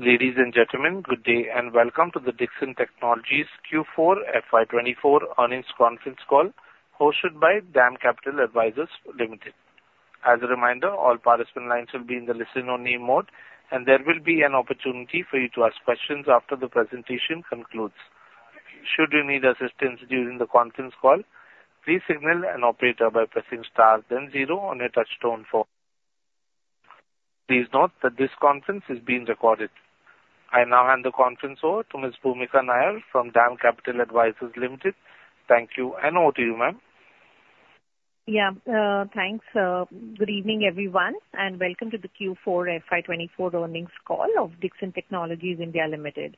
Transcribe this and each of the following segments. Ladies and gentlemen, good day, and welcome to the Dixon Technologies Q4 FY 2024 earnings conference call, hosted by DAM Capital Advisors Limited. As a reminder, all participant lines will be in the listen-only mode, and there will be an opportunity for you to ask questions after the presentation concludes. Should you need assistance during the conference call, please signal an operator by pressing star then zero on your touchtone phone. Please note that this conference is being recorded. I now hand the conference over to Ms. Bhumika Nair from DAM Capital Advisors Limited. Thank you, and over to you, ma'am. Yeah, thanks. Good evening, everyone, and welcome to the Q4 FY 2024 earnings call of Dixon Technologies India Limited.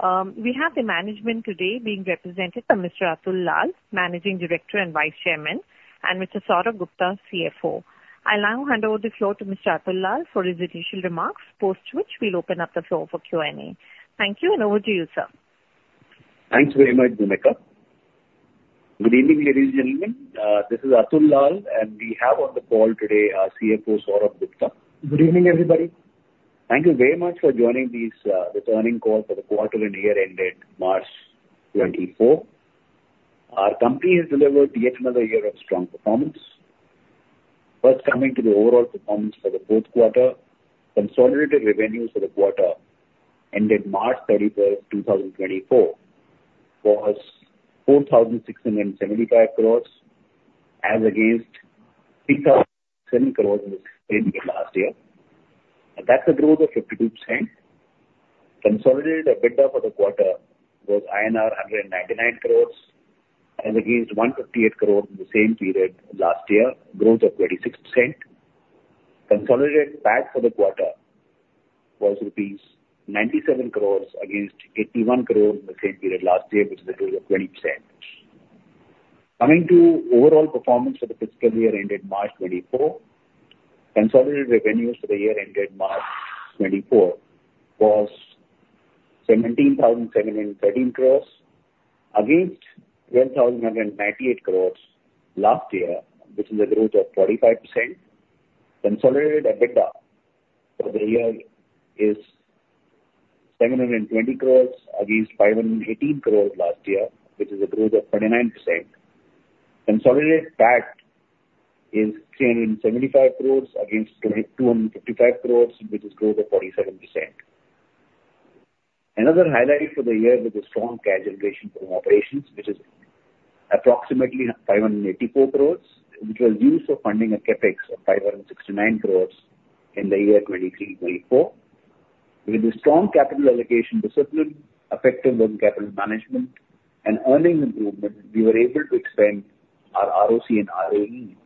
We have the management today being represented by Mr. Atul Lall, Managing Director and Vice Chairman, and Mr. Saurabh Gupta, CFO. I'll now hand over the floor to Mr. Atul Lall for his initial remarks, post which we'll open up the floor for Q&A. Thank you, and over to you, sir. Thanks very much, Bhumika. Good evening, ladies and gentlemen, this is Atul Lall, and we have on the call today our CFO, Saurabh Gupta. Good evening, everybody. Thank you very much for joining this, this earnings call for the quarter and year ended March 2024. Our company has delivered yet another year of strong performance. First, coming to the overall performance for the fourth quarter, consolidated revenues for the quarter ended March 31, 2024, was 4,675 crores as against 3,007 crores in the same period last year. That's a growth of 52%. Consolidated EBITDA for the quarter was INR 199 crores as against 158 crores in the same period last year, a growth of 36%. Consolidated PAT for the quarter was rupees 97 crores against 81 crores in the same period last year, which is a growth of 20%. Coming to overall performance for the fiscal year ended March 2024, consolidated revenues for the year ended March 2024 was 17,713 crores, against 10,198 crores last year, which is a growth of 35%. Consolidated EBITDA for the year is 720 crores against 518 crores last year, which is a growth of 39%. Consolidated PAT is 375 crores against 255 crores, which is growth of 47%. Another highlight for the year was the strong cash generation from operations, which is approximately 584 crores, which was used for funding a CapEx of 569 crores in the year 2023-2024. With a strong capital allocation discipline, effective working capital management, and earning improvement, we were able to expand our RoCE and RoE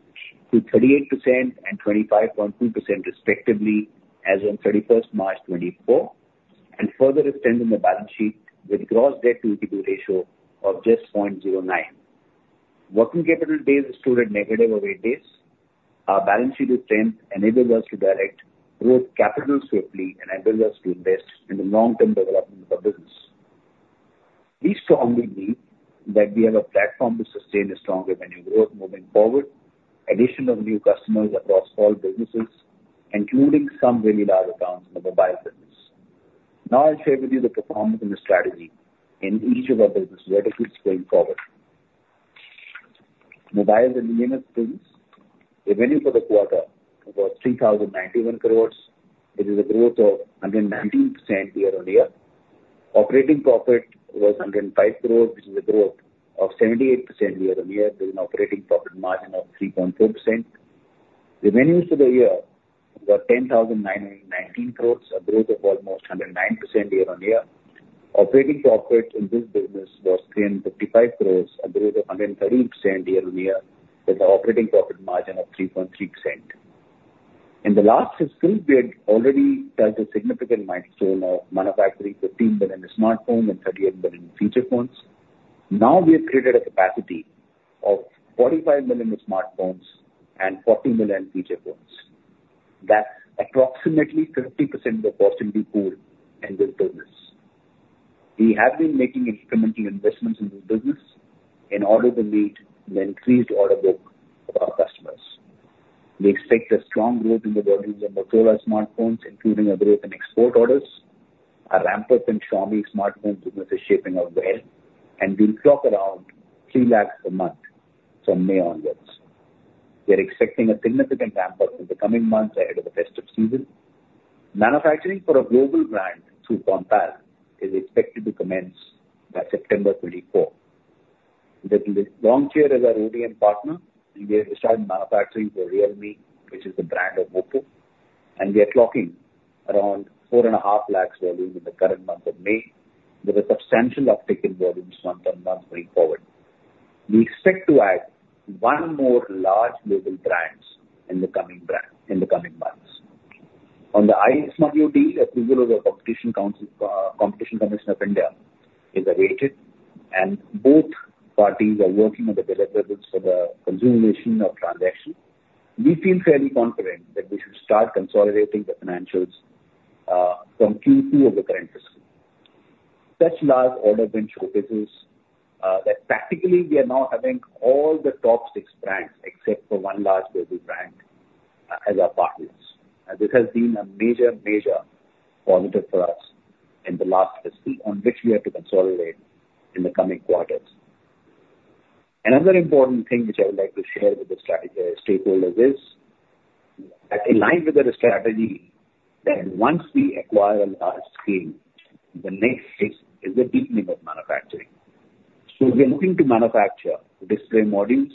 to 38% and 25.2% respectively, as on 31st March 2024, and further strengthen the balance sheet with gross debt to EBITDA ratio of just 0.09. Working capital days stood at eight days. Our balance sheet strength enables us to direct growth capital swiftly and enables us to invest in the long-term development of our business. We strongly believe that we have a platform to sustain a strong revenue growth moving forward, addition of new customers across all businesses, including some very large accounts in the mobile business. Now, I'll share with you the performance and the strategy in each of our businesses, verticals going forward. Mobiles and EMS business, revenue for the quarter was 3,091 crore. It is a growth of 119% year-on-year. Operating profit was 105 crores, which is a growth of 78% year-on-year, with an operating profit margin of 3.4%. Revenues for the year were 10,919 crores, a growth of almost 109% year-on-year. Operating profit in this business was 355 crores, a growth of 113% year-on-year, with an operating profit margin of 3.3%. In the last fiscal, we had already touched a significant milestone of manufacturing 15 million smartphones and 38 million feature phones. Now we have created a capacity of 45 million smartphones and 40 million feature phones. That's approximately 50% of the capacity pool in this business. We have been making incremental investments in this business in order to meet the increased order book of our customers. We expect a strong growth in the volumes of Motorola smartphones, including a growth in export orders, a ramp-up in Xiaomi smartphones business is shaping up well, and we'll clock around 300,000 per month from May onwards. We are expecting a significant ramp-up in the coming months ahead of the festive season. Manufacturing for a global brand through Compal is expected to commence by September 2024. With Longcheer as our ODM partner, we are starting manufacturing for Realme, which is the brand of Oppo, and we are clocking around 450,000 volume in the current month of May, with a substantial uptick in volumes month-on-month going forward. We expect to add one more large global brands in the coming months. On the Ismartu deal, approval of the Competition Commission of India is awaited, and both parties are working on the deliverables for the consummation of transaction. We feel fairly confident that we should start consolidating the financials from Q2 of the current fiscal. Such large order win showcases that practically we are now having all the top six brands except for one large global brand as our partners. And this has been a major, major positive for us in the last fiscal, on which we have to consolidate in the coming quarters. Another important thing which I would like to share with the stakeholder is, in line with our strategy, that once we acquire a large scale, the next phase is the deepening of manufacturing. So we are looking to manufacture display modules,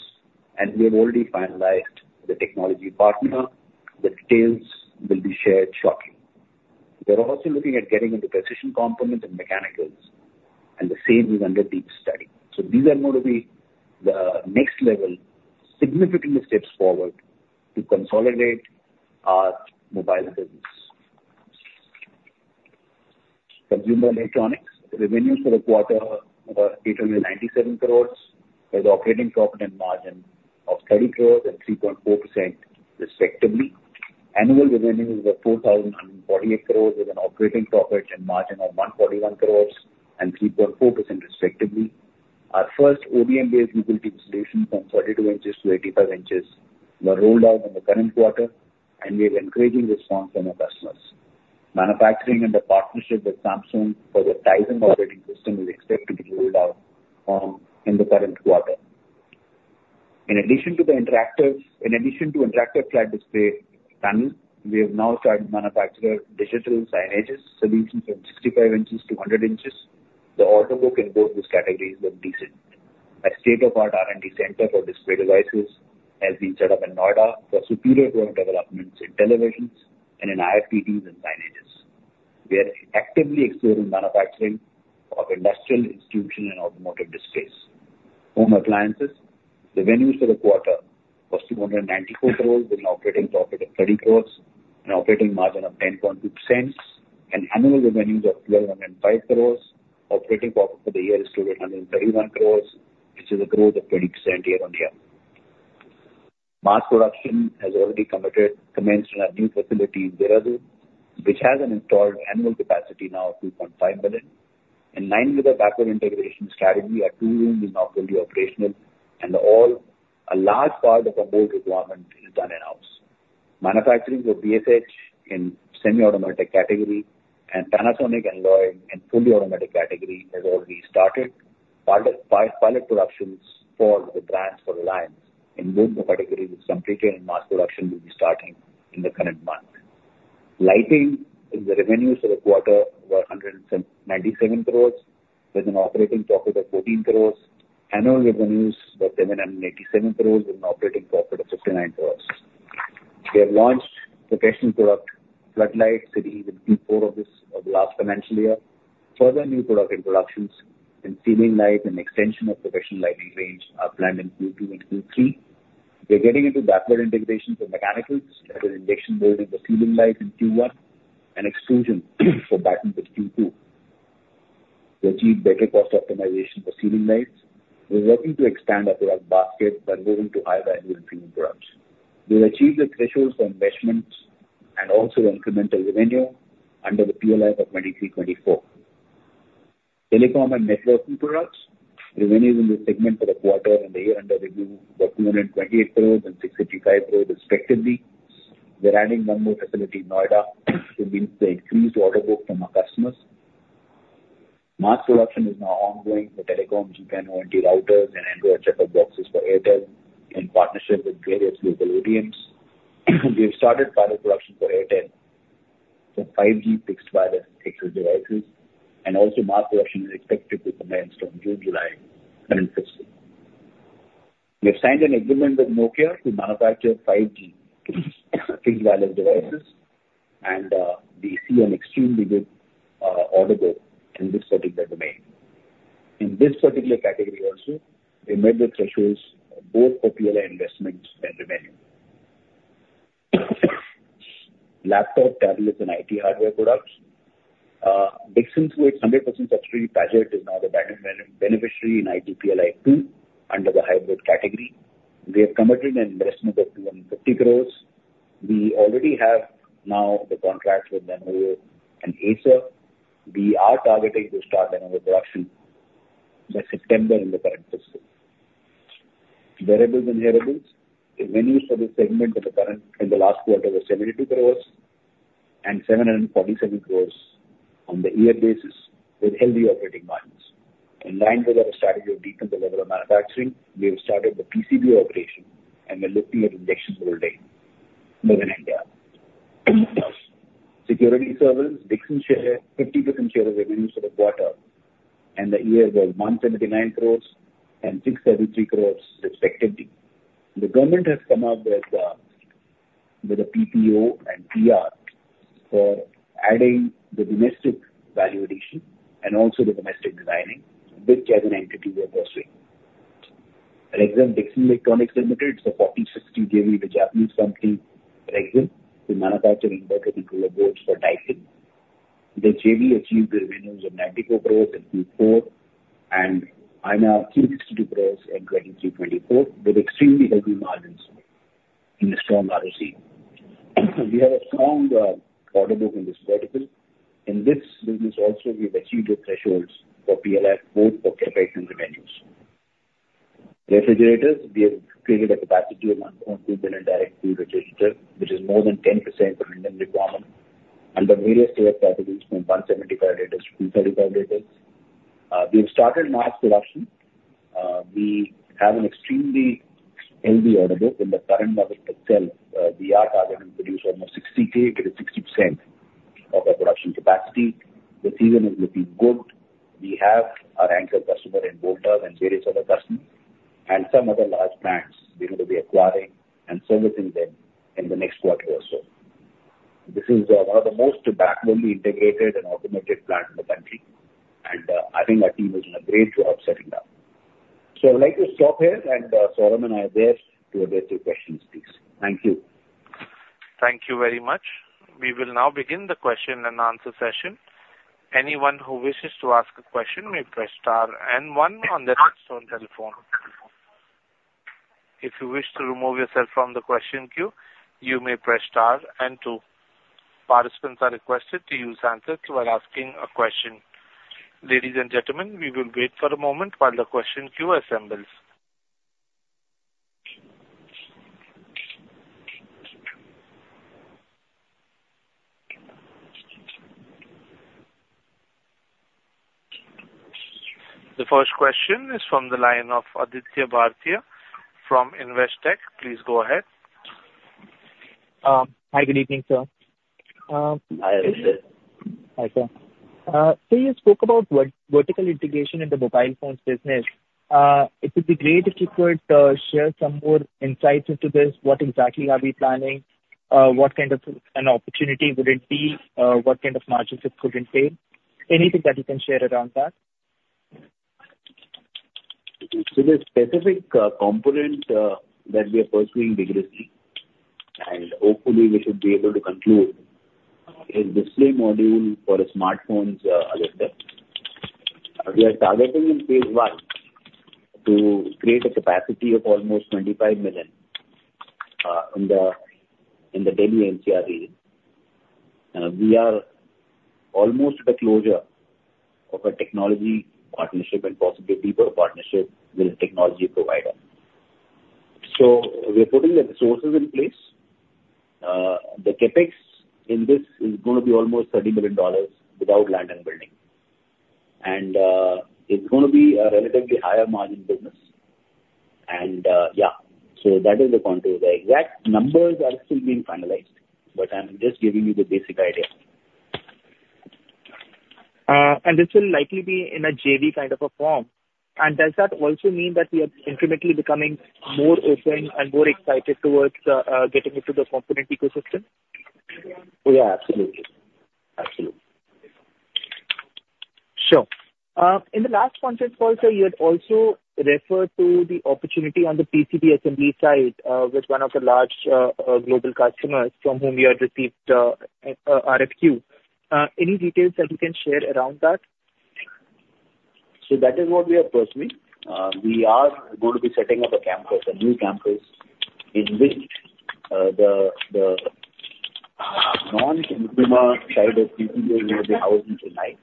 and we have already finalized the technology partner. The details will be shared shortly. We are also looking at getting into precision components and mechanicals, and the same is under deep study. So these are going to be the next level, significantly steps forward to consolidate our mobile business. Consumer electronics. The revenues for the quarter were 897 crore, with operating profit and margin of 30 crore and 3.4% respectively. Annual revenues were 4,048 crore, with an operating profit and margin of 141 crore and 3.4% respectively. Our first ODM-based TV solution from 42 inches to 85 inches were rolled out in the current quarter, and we have encouraging response from our customers. Manufacturing and the partnership with Samsung for the Tizen operating system is expected to be rolled out in the current quarter. In addition to interactive flat panel displays, we have now started manufacturing digital signage solutions from 65 inches to 100 inches. The order book in both these categories are decent. A state-of-the-art R&D center for display devices has been set up in Noida for superior product developments in televisions and in IFPDs and signages. We are actively exploring manufacturing of industrial, institutional and automotive displays. Home appliances. The revenues for the quarter was 294 crores, with an operating profit of 30 crores and operating margin of 10.2% and annual revenues of 1,205 crores. Operating profit for the year is 231 crores, which is a growth of 20% year-on-year. Mass production has already commenced in our new facility in Dehradun, which has an installed annual capacity now of 2.5 million. In line with our backward integration strategy, our tool room is now fully operational, and all a large part of our mold requirement is done in-house. Manufacturing with BSH in semi-automatic category and Panasonic and Lloyd in fully automatic category has already started. Pilot productions for the brands for Reliance in both the categories is completed, and mass production will be starting in the current month. Lighting. The revenues for the quarter were 97 crore, with an operating profit of 14 crore. Annual revenues were 787 crore, with an operating profit of 59 crore. We have launched the professional product, floodlights, in Q4 of the last financial year. Further new product introductions in ceiling light and extension of professional lighting range are planned in Q2 and Q3. We are getting into backward integration for mechanicals, with injection molding for ceiling lights in Q1 and extrusion for battens Q2, to achieve better cost optimization for ceiling lights. We are working to expand our product basket by moving to high value and premium products. We will achieve the thresholds for investments and also incremental revenue under the PLI of 2023-2024. Telecom and networking products. Revenues in this segment for the quarter and the year under review were 228 crores and 655 crores respectively. We're adding one more facility in Noida to meet the increased order book from our customers. Mass production is now ongoing for telecom, GPON ONT routers, and Android set-top boxes for Airtel in partnership with various local ODMs. We have started pilot production for Airtel for 5G fixed wireless access devices, and also mass production is expected to commence from June, July current fiscal. We have signed an agreement with Nokia to manufacture 5G fixed wireless devices, and we see an extremely good order book in this particular domain. In this particular category also, we made the thresholds both for PLI investments and revenue. Laptop, tablets, and IT hardware products. Dixon, through its 100% subsidiary, Padget, is now the beneficiary in IT PLI 2.0 under the hybrid category. We have committed an investment of 250 crore. We already have now the contracts with Lenovo and Acer. We are targeting to start our production by September in the current fiscal. Wearables and hearables. The revenues for this segment in the last quarter were 72 crore and 747 crore on the year basis, with healthy operating margins. In line with our strategy of deepen the level of manufacturing, we have started the PCBA operation and we're looking at injection molding within India. Security services. Dixon's share, 50% share of revenues for the quarter, and the year was 179 crore and 673 crore respectively. The government has come up with with a PPO and PR for adding the domestic value addition and also the domestic designing, which as an entity we are pursuing. Rexxam Dixon Electronics Private Limited is a 40/60 JV with Japanese company, Rexxam, to manufacture inverter controller boards for Daikin. The JV achieved the revenues of 94 crore in Q4 and 362 crore INR in 2023-2024, with extremely healthy margins. in a strong RoCE. We have a strong order book in this vertical. In this business also, we've achieved the thresholds for PLI, both for CapEx and revenues. Refrigerators, we have created a capacity of 1.2 million direct cool refrigerators, which is more than 10% of Indian requirement under various tier categories, from 175 liters -235 liters. We have started mass production. We have an extremely healthy order book. In the current month itself, we are targeting to produce almost 60K, 60% of our production capacity. The season is looking good. We have our anchor customer in Voltas and various other customers, and some other large brands we're going to be acquiring and servicing them in the next quarter or so. This is one of the most backwardly integrated and automated plant in the country, and I think our team has done a great job setting it up. I'd like to stop here, and Saurabh and I are there to address your questions, please. Thank you. Thank you very much. We will now begin the question and answer session. Anyone who wishes to ask a question may press star and one on their telephone. If you wish to remove yourself from the question queue, you may press star and two. Participants are requested to use handset while asking a question. Ladies and gentlemen, we will wait for a moment while the question queue assembles. The first question is from the line of Aditya Bhartia from Investec. Please go ahead. Hi, good evening, sir. Hi, Aditya. Hi, sir. So you spoke about vertical integration in the mobile phones business. It would be great if you could share some more insights into this. What exactly are we planning? What kind of an opportunity would it be? What kind of margins it could entail? Anything that you can share around that. So the specific component that we are pursuing vigorously, and hopefully we should be able to conclude, is display module for a smartphone's, Aditya. We are targeting in phase one to create a capacity of almost 25 million in the Delhi NCR area. We are almost at the closure of a technology partnership and possibly people partnership with a technology provider. So we are putting the resources in place. The CapEx in this is going to be almost $30 million without land and building. And, yeah, so that is the contour. The exact numbers are still being finalized, but I'm just giving you the basic idea. This will likely be in a JV kind of a form. Does that also mean that we are incrementally becoming more open and more excited towards getting into the component ecosystem? Yeah, absolutely. Absolutely. Sure. In the last conference call, sir, you had also referred to the opportunity on the PCB assembly side, with one of the large, global customers from whom you have received, RFQ. Any details that you can share around that? So that is what we are pursuing. We are going to be setting up a campus, a new campus, in which the non-consumer side of PCBA will be housed inside.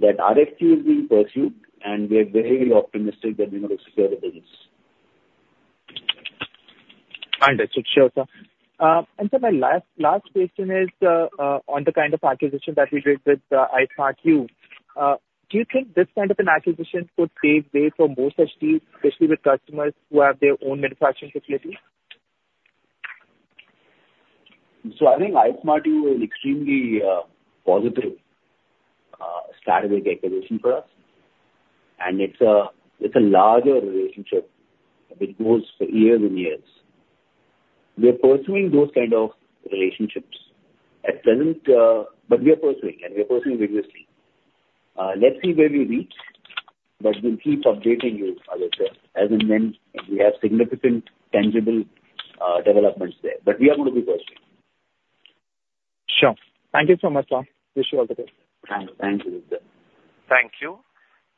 That RFQ is being pursued, and we are very optimistic that we're going to secure the business. Understood. Sure, sir. And sir, my last question is on the kind of acquisition that we did with Ismartu. Do you think this kind of an acquisition could pave way for more such deals, especially with customers who have their own manufacturing facilities? So I think Ismartu is extremely positive, strategic acquisition for us, and it's a, it's a larger relationship, which goes for years and years. We are pursuing those kind of relationships. At present, but we are pursuing, and we are pursuing vigorously. Let's see where we reach, but we'll keep updating you, Aditya, as and when we have significant tangible developments there, but we are going to be pursuing. Sure. Thank you so much, sir. Wish you all the best. Thank you, Aditya. Thank you.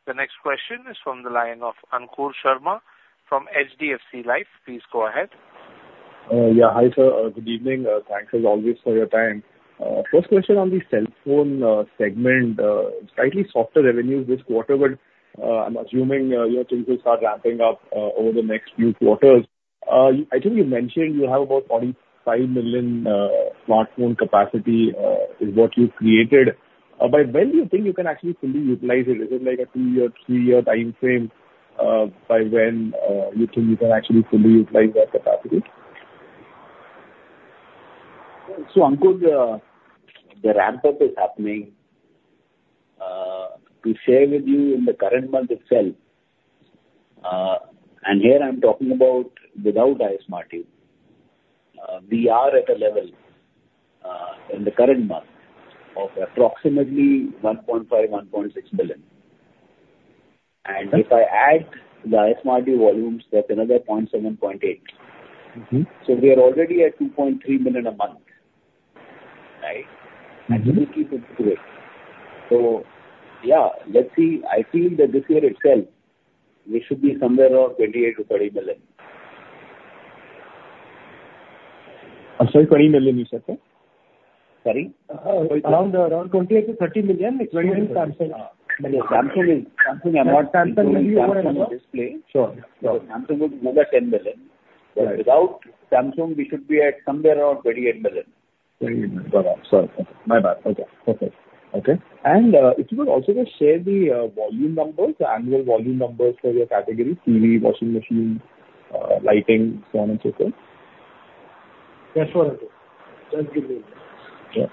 The next question is from the line of Ankur Sharma from HDFC Life. Please go ahead. Yeah. Hi, sir, good evening. Thanks as always for your time. First question on the cell phone segment, slightly softer revenues this quarter, but, I'm assuming, your things will start ramping up over the next few quarters. I think you mentioned you have about 45 million smartphone capacity, is what you created. By when do you think you can actually fully utilize it? Is it like a two year, three year time frame, by when you think you can actually fully utilize that capacity? So, Ankur, the ramp-up is happening, to share with you in the current month itself, and here I'm talking about without Ismartu, we are at a level, in the current month, of approximately 1.5-1.6 million. Okay. If I add the Ismartu volumes, that's another 0.7-0.8. Mm-hmm. We are already at 2.3 million a month... Right? And we'll keep it to it. So, yeah, let's see. I feel that this year itself, we should be somewhere around 28-30 million. I'm sorry, 20 million, you said, sir? Sorry? Around 28-30 million, excluding Samsung. Samsung is. Not Samsung, maybe. Samsung display. Sure. Samsung would be over 10 million. Right. But without Samsung, we should be at somewhere around 28 million. 28 million. Got that. Sorry, my bad. Okay. Okay. Okay, and, if you could also just share the, volume numbers, the annual volume numbers for your category, TV, washing machine, lighting, so on and so forth. Yes, sure, Ankur. Just give me a minute. Yeah.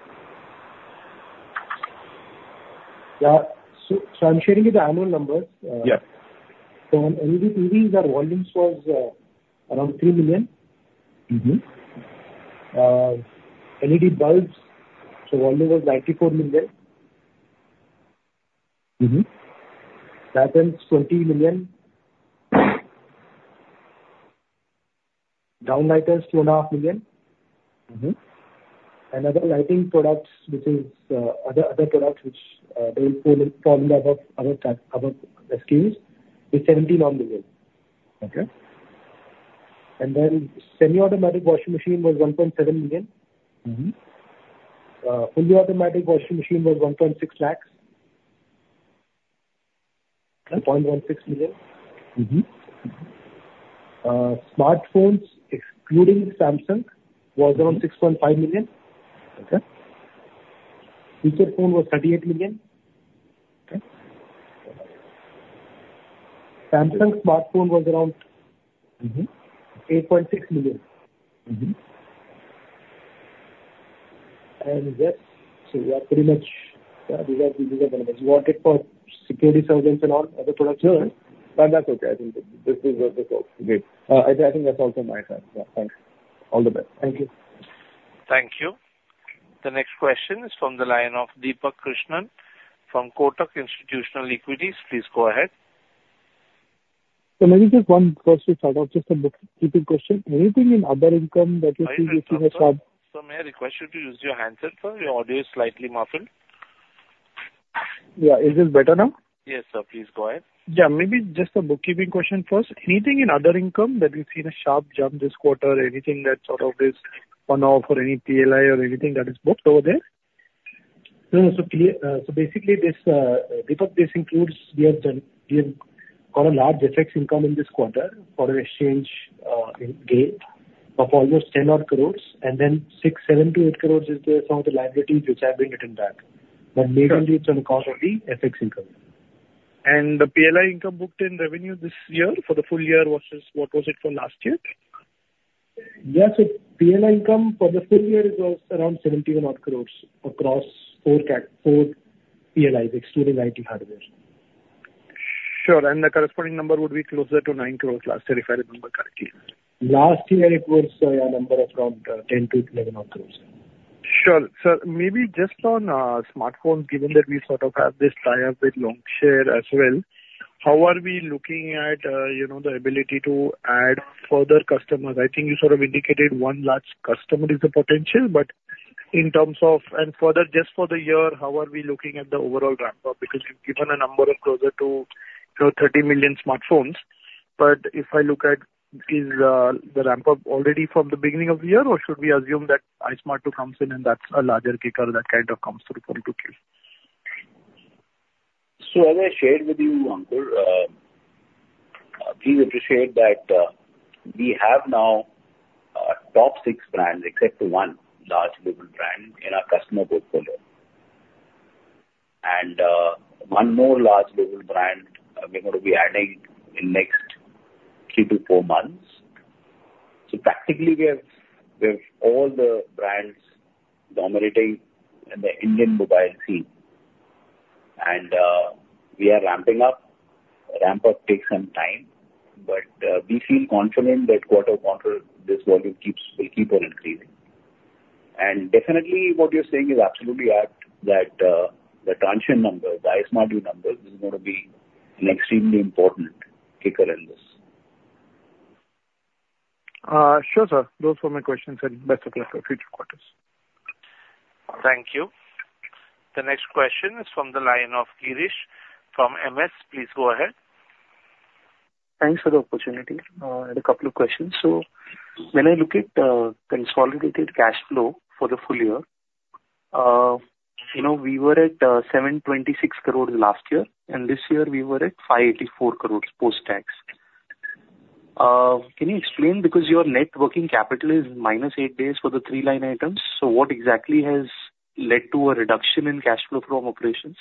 Yeah. So, so I'm sharing you the annual numbers. Yeah. So on LED TVs, our volumes was around 3 million. Mm-hmm. LED bulbs, so volume was 94 million. Mm-hmm. Ceilings, 20 million. Downlights, 2.5 million. Mm-hmm. Other lighting products, which is other products which they fall under other categories, other SKUs, is 79 million. Okay. Semi-automatic washing machine was 1.7 million. Mm-hmm. Fully Automatic Washing Machine was 1.6 lakhs... 0.16 million. Mm-hmm. Smartphones, excluding Samsung, was around 6.5 million. Okay. Feature phone was 38 million. Okay. Samsung smartphone was around- Mm-hmm. 8.6 million. Mm-hmm. And yes, so we are pretty much, these are, these are numbers. You want it for security reasons and all other products? Sure. But that's okay. I think this is what it is. Great. I think that's also my time. Yeah, thanks. All the best. Thank you. Thank you. The next question is from the line of Deepak Krishnan from Kotak Institutional Equities. Please go ahead. Maybe just one first to start off, just a bookkeeping question. Anything in other income that you see that you have had- Sir, may I request you to use your handset, sir? Your audio is slightly muffled. Yeah. Is this better now? Yes, sir. Please go ahead. Yeah, maybe just a bookkeeping question first. Anything in other income that you've seen a sharp jump this quarter or anything that sort of is one-off or any PLI or anything that is booked over there? No, so clearly, so basically this, because this includes, we have done, we have got a large FX income in this quarter for exchange gain of almost 10-odd crore, and then 6-7 crore to 8 crore is the sum of the liabilities which have been written back. But mainly it's on account of FX income. The PLI income booked in revenue this year for the full year, what is, what was it for last year? Yeah, so PLI income for the full year is around 70 odd crores across four PLIs, excluding IT hardware. Sure, and the corresponding number would be closer to 9 crore last year, if I remember correctly. Last year it was a number around 10-11 odd crore. Sure. Sir, maybe just on, smartphones, given that we sort of have this tie-up with Longcheer as well, how are we looking at, you know, the ability to add further customers? I think you sort of indicated one large customer is the potential, but in terms of... And further, just for the year, how are we looking at the overall ramp-up? Because you've given a number of closer to, you know, 30 million smartphones, but if I look at, is, the ramp-up already from the beginning of the year, or should we assume that Ismartu comes in and that's a larger kicker that kind of comes through full to queue? So as I shared with you, Ankur, we appreciate that, we have now, top 6 brands except one large mobile brand in our customer portfolio. And, one more large mobile brand, we're going to be adding in next 3-4 months. So practically, we have, we have all the brands dominating in the Indian mobile scene. And, we are ramping up. Ramp-up takes some time, but, we feel confident that quarter on quarter, this volume keeps, will keep on increasing. And definitely what you're saying is absolutely right, that, the Transsion number, the Ismartu number, this is going to be an extremely important kicker in this. Sure, sir. Those were my questions, and best of luck for future quarters. Thank you. The next question is from the line of Girish from Morgan Stanley. Please go ahead. Thanks for the opportunity. I had a couple of questions. When I look at consolidated cash flow for the full year, you know, we were at 726 crore last year, and this year we were at 584 crore post-tax. Can you explain? Because your net working capital is minus eight days for the three line items, so what exactly has led to a reduction in cash flow from operations?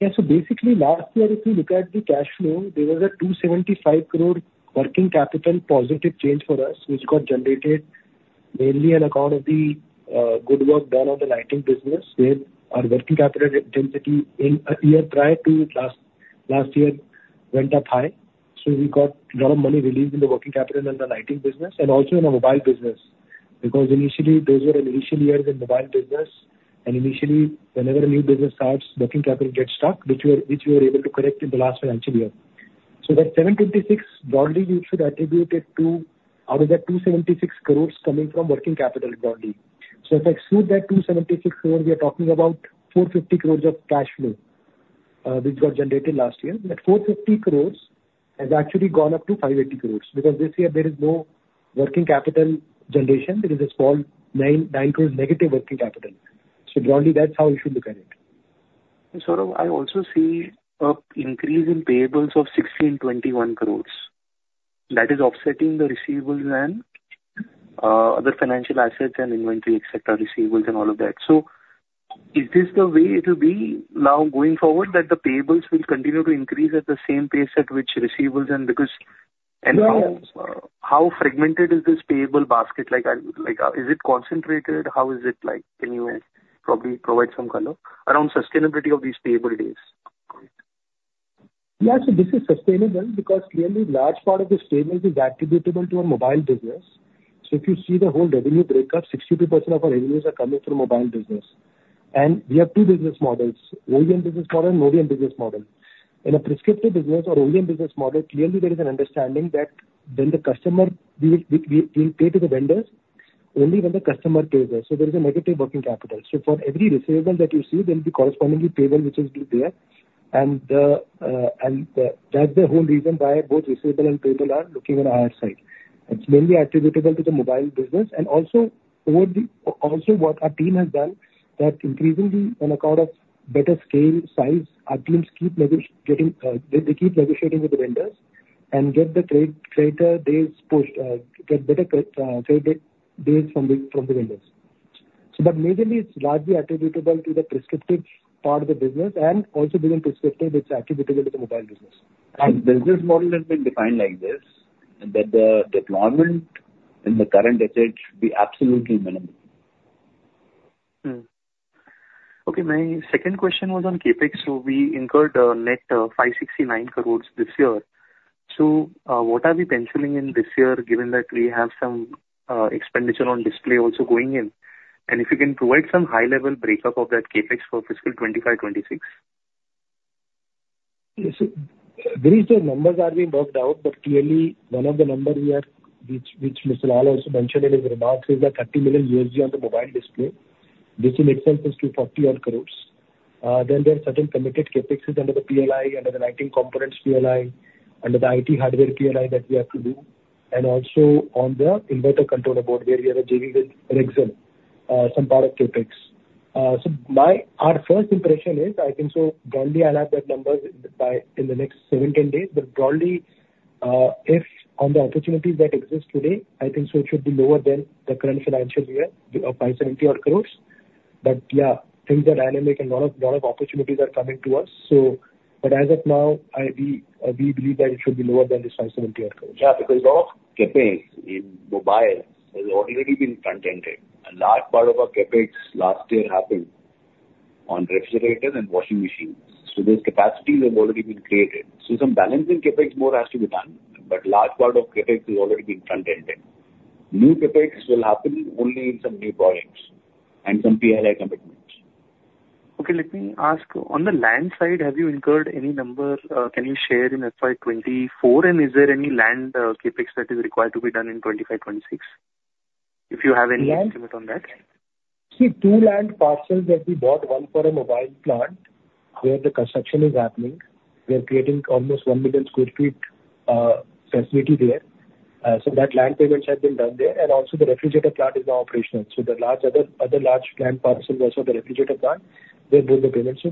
Yeah, so basically last year, if you look at the cash flow, there was a 275 crore working capital positive change for us, which got generated mainly on account of the good work done on the lighting business, where our working capital density in a year prior to last, last year went up high. So we got a lot of money released in the working capital and the lighting business, and also in the mobile business. Because initially, those were an initial years in mobile business, and initially, whenever a new business starts, working capital gets stuck, which we are able to correct in the last financial year. So that 726, broadly, we should attribute it to out of the 276 crore coming from working capital broadly. So if exclude that 276 crore, we are talking about 450 crore of cash flow, which got generated last year. That 450 crore has actually gone up to 580 crore, because this year there is no working capital generation. There is a small 9.9 crore negative working capital. So broadly, that's how you should look at it. And so I also see an increase in payables of 1,621 crore. That is offsetting the receivables and other financial assets and inventory, et cetera, receivables and all of that. So is this the way it will be now going forward, that the payables will continue to increase at the same pace at which receivables? And because- Yeah. How fragmented is this payable basket? Like, is it concentrated? How is it like? Can you probably provide some color around sustainability of these payables? Yeah, so this is sustainable because clearly large part of this payable is attributable to our mobile business. So if you see the whole revenue breakup, 62% of our revenues are coming from mobile business. And we have two business models: OEM business model and ODM business model. In a prescriptive business or OEM business model, clearly there is an understanding that when the customer, we, we, we will pay to the vendors only when the customer pays us. So there is a negative working capital. So for every receivable that you see, there will be correspondingly payable, which is there. And that's the whole reason why both receivable and payable are looking on our side. It's mainly attributable to the mobile business, and also what our team has done, that increasingly, on account of better scale, size, our teams keep getting, they keep negotiating with the vendors and get the trade greater days pushed, get better credit days from the vendors. So but mainly, it's largely attributable to the prescriptive part of the business, and also within prescriptive, it's attributable to the mobile business. Business model has been defined like this, that the deployment in the current decade should be absolutely minimal. Hmm. Okay, my second question was on CapEx. So we incurred, net, 569 crore this year. So, what are we penciling in this year, given that we have some expenditure on display also going in? And if you can provide some high-level breakup of that CapEx for fiscal 2025, 2026. Yes, so these numbers are being worked out, but clearly, one of the numbers we have, which Mr. Lall also mentioned in his remarks, is the $30 million on the mobile display. This in itself is to 40-odd crore. Then there are certain committed CapEx under the PLI, under the lighting components PLI, under the IT hardware PLI that we have to do, and also on the inverter controller board, where we have a JV with Rexxam, some part of CapEx. So my, our first impression is, I think, so broadly, I'll have that number by, in the next 7-10 days, but broadly, if on the opportunities that exist today, I think so it should be lower than the current financial year of 570-odd crore. But yeah, things are dynamic and lot of, lot of opportunities are coming to us. But as of now, I, we, we believe that it should be lower than this 570 odd crores. Yeah, because all CapEx in mobile has already been front-ended. A large part of our CapEx last year happened on refrigerators and washing machines. So those capacities have already been created. So some balancing CapEx more has to be done, but large part of CapEx has already been front-ended. New CapEx will happen only in some new products and some PLI commitments. Okay, let me ask, on the land side, have you incurred any number, can you share in FY 2024? And is there any land, CapEx that is required to be done in 2025, 2026? If you have any estimate on that. See, two land parcels that we bought, one for a mobile plant, where the construction is happening. We are creating almost 1 million sq ft facility there. So that land payments have been done there, and also the refrigerator plant is now operational. So the other large land parcel is also the refrigerator plant, where doing the payments. So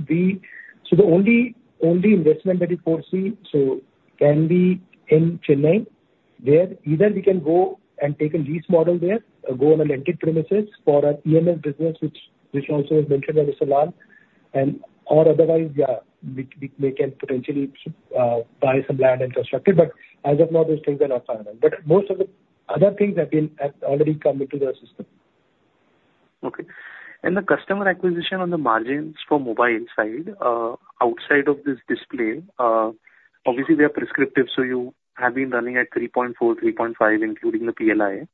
the only investment that we foresee so can be in Chennai there. Either we can go and take a lease model there, or go on a landed premises for our EMS business, which also was mentioned by Mr. Lall, and or otherwise, yeah, we can potentially buy some land and construct it, but as of now, those things are not signed up. But most of the other things have already come into the system. Okay. And the customer acquisition on the margins for mobile side, outside of this display, obviously, they are prescriptive, so you have been running at 3.4-3.5, including the PLI.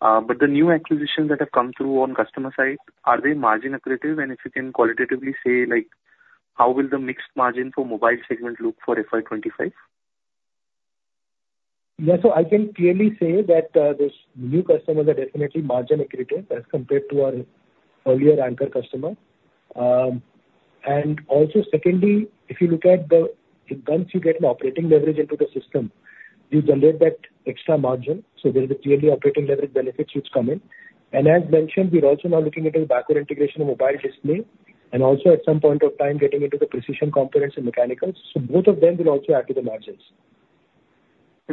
But the new acquisitions that have come through on customer side, are they margin accretive? And if you can qualitatively say, like, how will the mixed margin for mobile segment look for FY 2025? Yeah, so I can clearly say that these new customers are definitely margin accretive as compared to our earlier anchor customer. And also secondly, if you look at once you get an operating leverage into the system, you generate that extra margin, so there will be clearly operating leverage benefits which come in. And as mentioned, we're also now looking into the backward integration of mobile display, and also at some point of time, getting into the precision components and mechanicals, so both of them will also add to the margins.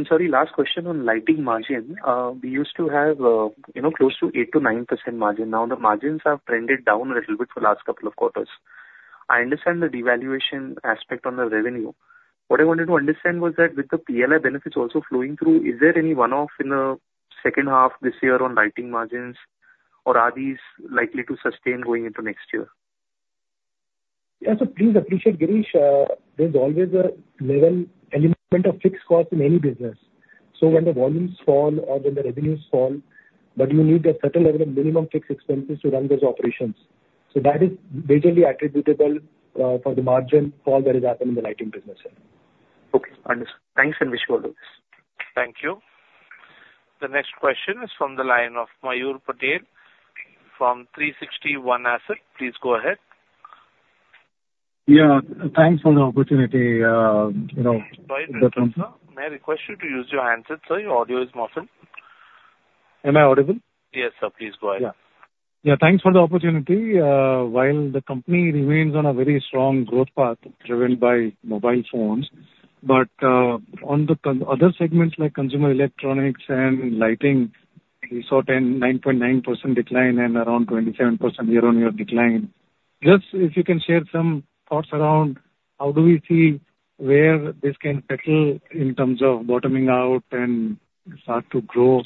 Sorry, last question on lighting margin. We used to have, you know, close to 8%-9% margin. Now, the margins have trended down a little bit for the last couple of quarters. I understand the devaluation aspect on the revenue. What I wanted to understand was that with the PLI benefits also flowing through, is there any one-off in the second half this year on lighting margins, or are these likely to sustain going into next year? Yeah, so please appreciate, Girish, there's always a level element of fixed cost in any business. So when the volumes fall or when the revenues fall, but you need a certain level of minimum fixed expenses to run those operations. So that is majorly attributable for the margin fall that has happened in the lighting business. Okay, thanks, and wish you all the best. Thank you. The next question is from the line of Mayur Patel from 360 ONE Asset. Please go ahead. Yeah, thanks for the opportunity. You know- May I request you to use your handset, sir? Your audio is muffled. Am I audible? Yes, sir. Please go ahead. Yeah. Yeah, thanks for the opportunity. While the company remains on a very strong growth path, driven by mobile phones, but on the other segments, like consumer electronics and lighting, we saw 10.9% decline and around 27% year-over-year decline. Just if you can share some thoughts around how do we see where this can settle in terms of bottoming out and start to grow?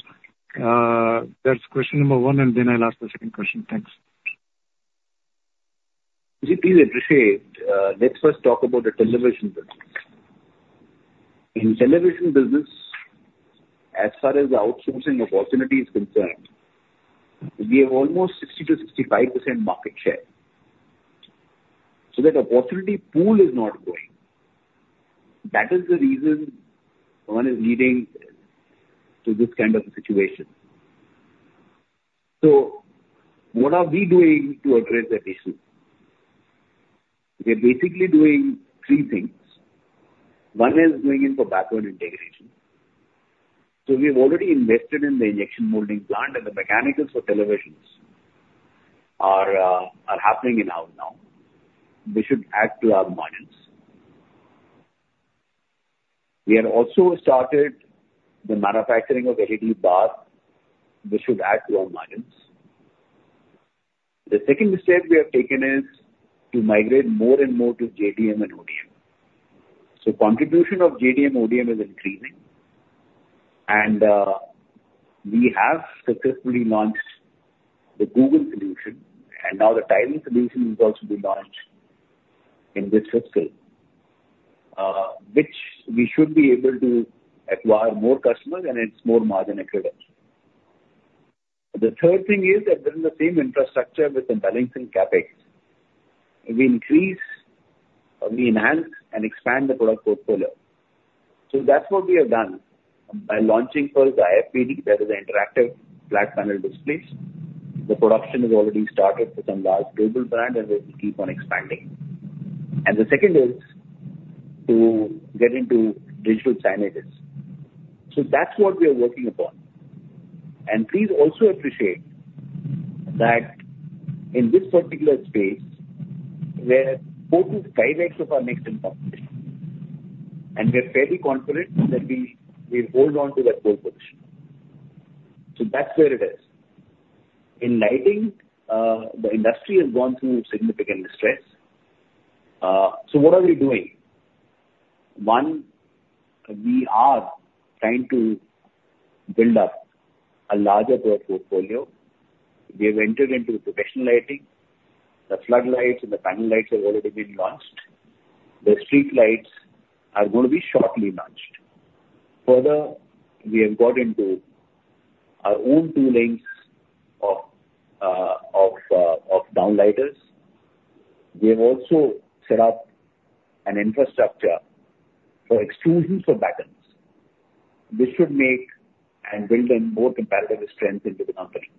That's question number one, and then I'll ask the second question. Thanks. Please appreciate, let's first talk about the television business. In television business, as far as the outsourcing opportunity is concerned, we have almost 60%-65% market share, so that opportunity pool is not going. That is the reason one is leading to this kind of a situation. So what are we doing to address that issue? We are basically doing three things. One is going in for backward integration. So we have already invested in the injection molding plant, and the mechanicals for televisions are happening in-house now. This should add to our margins. We have also started the manufacturing of LED bar, which should add to our margins. The second step we have taken is to migrate more and more to JDM and ODM. So the contribution of JDM, ODM is increasing, and we have successfully launched the Google solution, and now the TiVo solution is also being launched in this fiscal, which we should be able to acquire more customers, and it's more margin accretive. The third thing is that within the same infrastructure, with the balancing CapEx, we increase or we enhance and expand the product portfolio. So that's what we have done by launching first the IFPD. That is an interactive flat panel displays. The production is already started with some large global brand, and we will keep on expanding. And the second is to get into digital signages. So that's what we are working upon. And please also appreciate that in this particular space, we're 5x our next in penetration, and we're fairly confident that we hold on to that pole position. So that's where it is. In lighting, the industry has gone through significant distress. So what are we doing? One, we are trying to build up a larger product portfolio. We have entered into professional lighting. The floodlights and the panel lights have already been launched. The streetlights are going to be shortly launched. Further, we have got into our own toolings of downlights. We have also set up an infrastructure for extrusions for battens. This should make and build a more competitive strength into the company.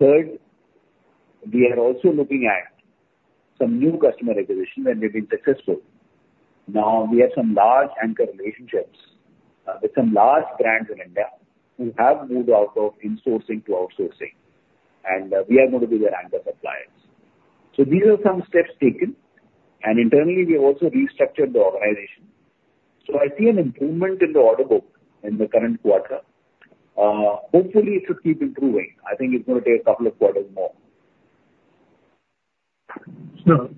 Third, we are also looking at some new customer acquisition, and we've been successful. Now, we have some large anchor relationships with some large brands in India who have moved out of insourcing to outsourcing, and we are going to be their anchor suppliers. So these are some steps taken, and internally, we have also restructured the organization. So I see an improvement in the order book in the current quarter. Hopefully, it should keep improving. I think it's going to take a couple of quarters more. Sure.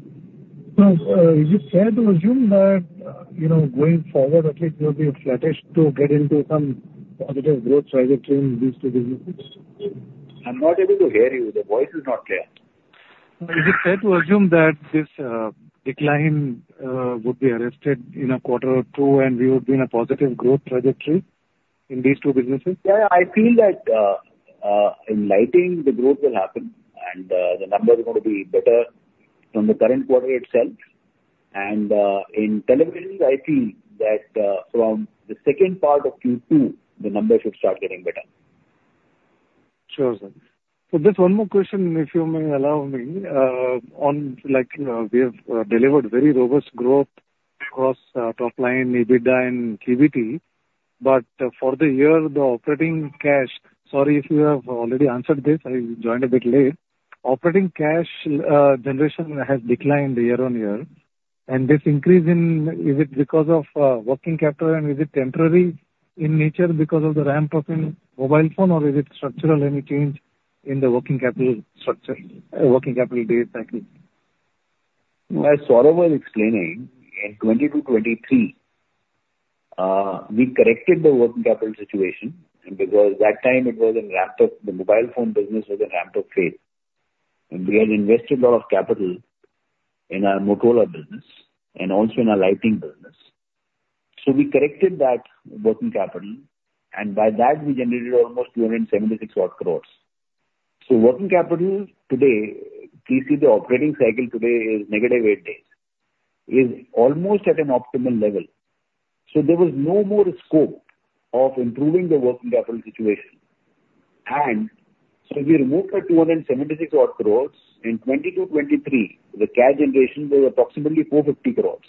Is it fair to assume that, you know, going forward, at least you'll be flattish to get into some positive growth trajectory in these two businesses? I'm not able to hear you. The voice is not clear. Is it fair to assume that this decline would be arrested in a quarter or two, and we would be in a positive growth trajectory in these two businesses? Yeah, I feel that, in lighting, the growth will happen, and, the number is going to be better from the current quarter itself. And, in television, I feel that, from the second part of Q2, the numbers should start getting better. Sure, sir. So just one more question, if you may allow me, on like, we have delivered very robust growth across top line, EBITDA and PBT, but for the year, the operating cash... Sorry, if you have already answered this, I joined a bit late. Operating cash generation has declined year-on-year, and this increase in, is it because of working capital, and is it temporary in nature because of the ramp up in mobile phone, or is it structural, any change in the working capital structure, working capital days, thank you? As Saurabh was explaining, in 2022-2023, we corrected the working capital situation, and because that time it was a ramped up, the mobile phone business was a ramped up phase. We had invested a lot of capital in our Motorola business and also in our lighting business. So we corrected that working capital, and by that we generated almost 276 crores. So working capital today, if you see the operating cycle today is eight days, is almost at an optimal level. So there was no more scope of improving the working capital situation. So we removed the 276 crores. In 2022-2023, the cash generation was approximately 450 crores.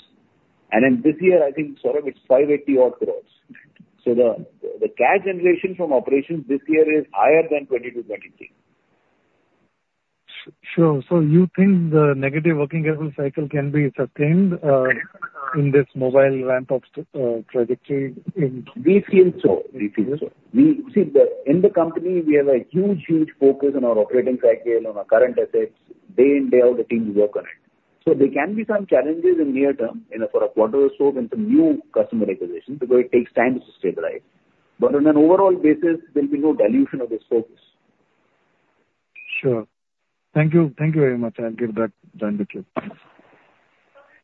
And in this year, I think, Saurabh, it's 580 crores. So the cash generation from operations this year is higher than 2020-2023. Sure. So you think the negative working capital cycle can be sustained in this mobile ramp up trajectory in- See, in the company, we have a huge, huge focus on our operating cycle, on our current assets. Day in, day out, the team work on it. So there can be some challenges in near term, you know, for a quarter or so, with some new customer acquisition, because it takes time to stabilize. But on an overall basis, there'll be no dilution of this focus. Sure. Thank you. Thank you very much. I'll give that back to you.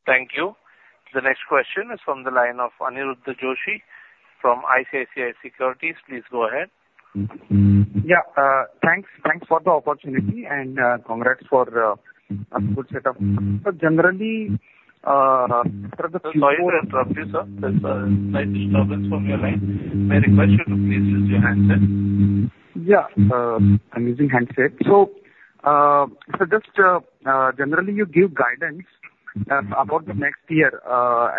Thank you. The next question is from the line of Aniruddha Joshi from ICICI Securities. Please go ahead. Yeah. Thanks. Thanks for the opportunity and, congrats for, a good set of... So generally, for the- Sorry to interrupt you, sir. There's slight disturbance from your line. May I request you to please use your handset? Yeah. I'm using handset. So, just generally, you give guidance about the next year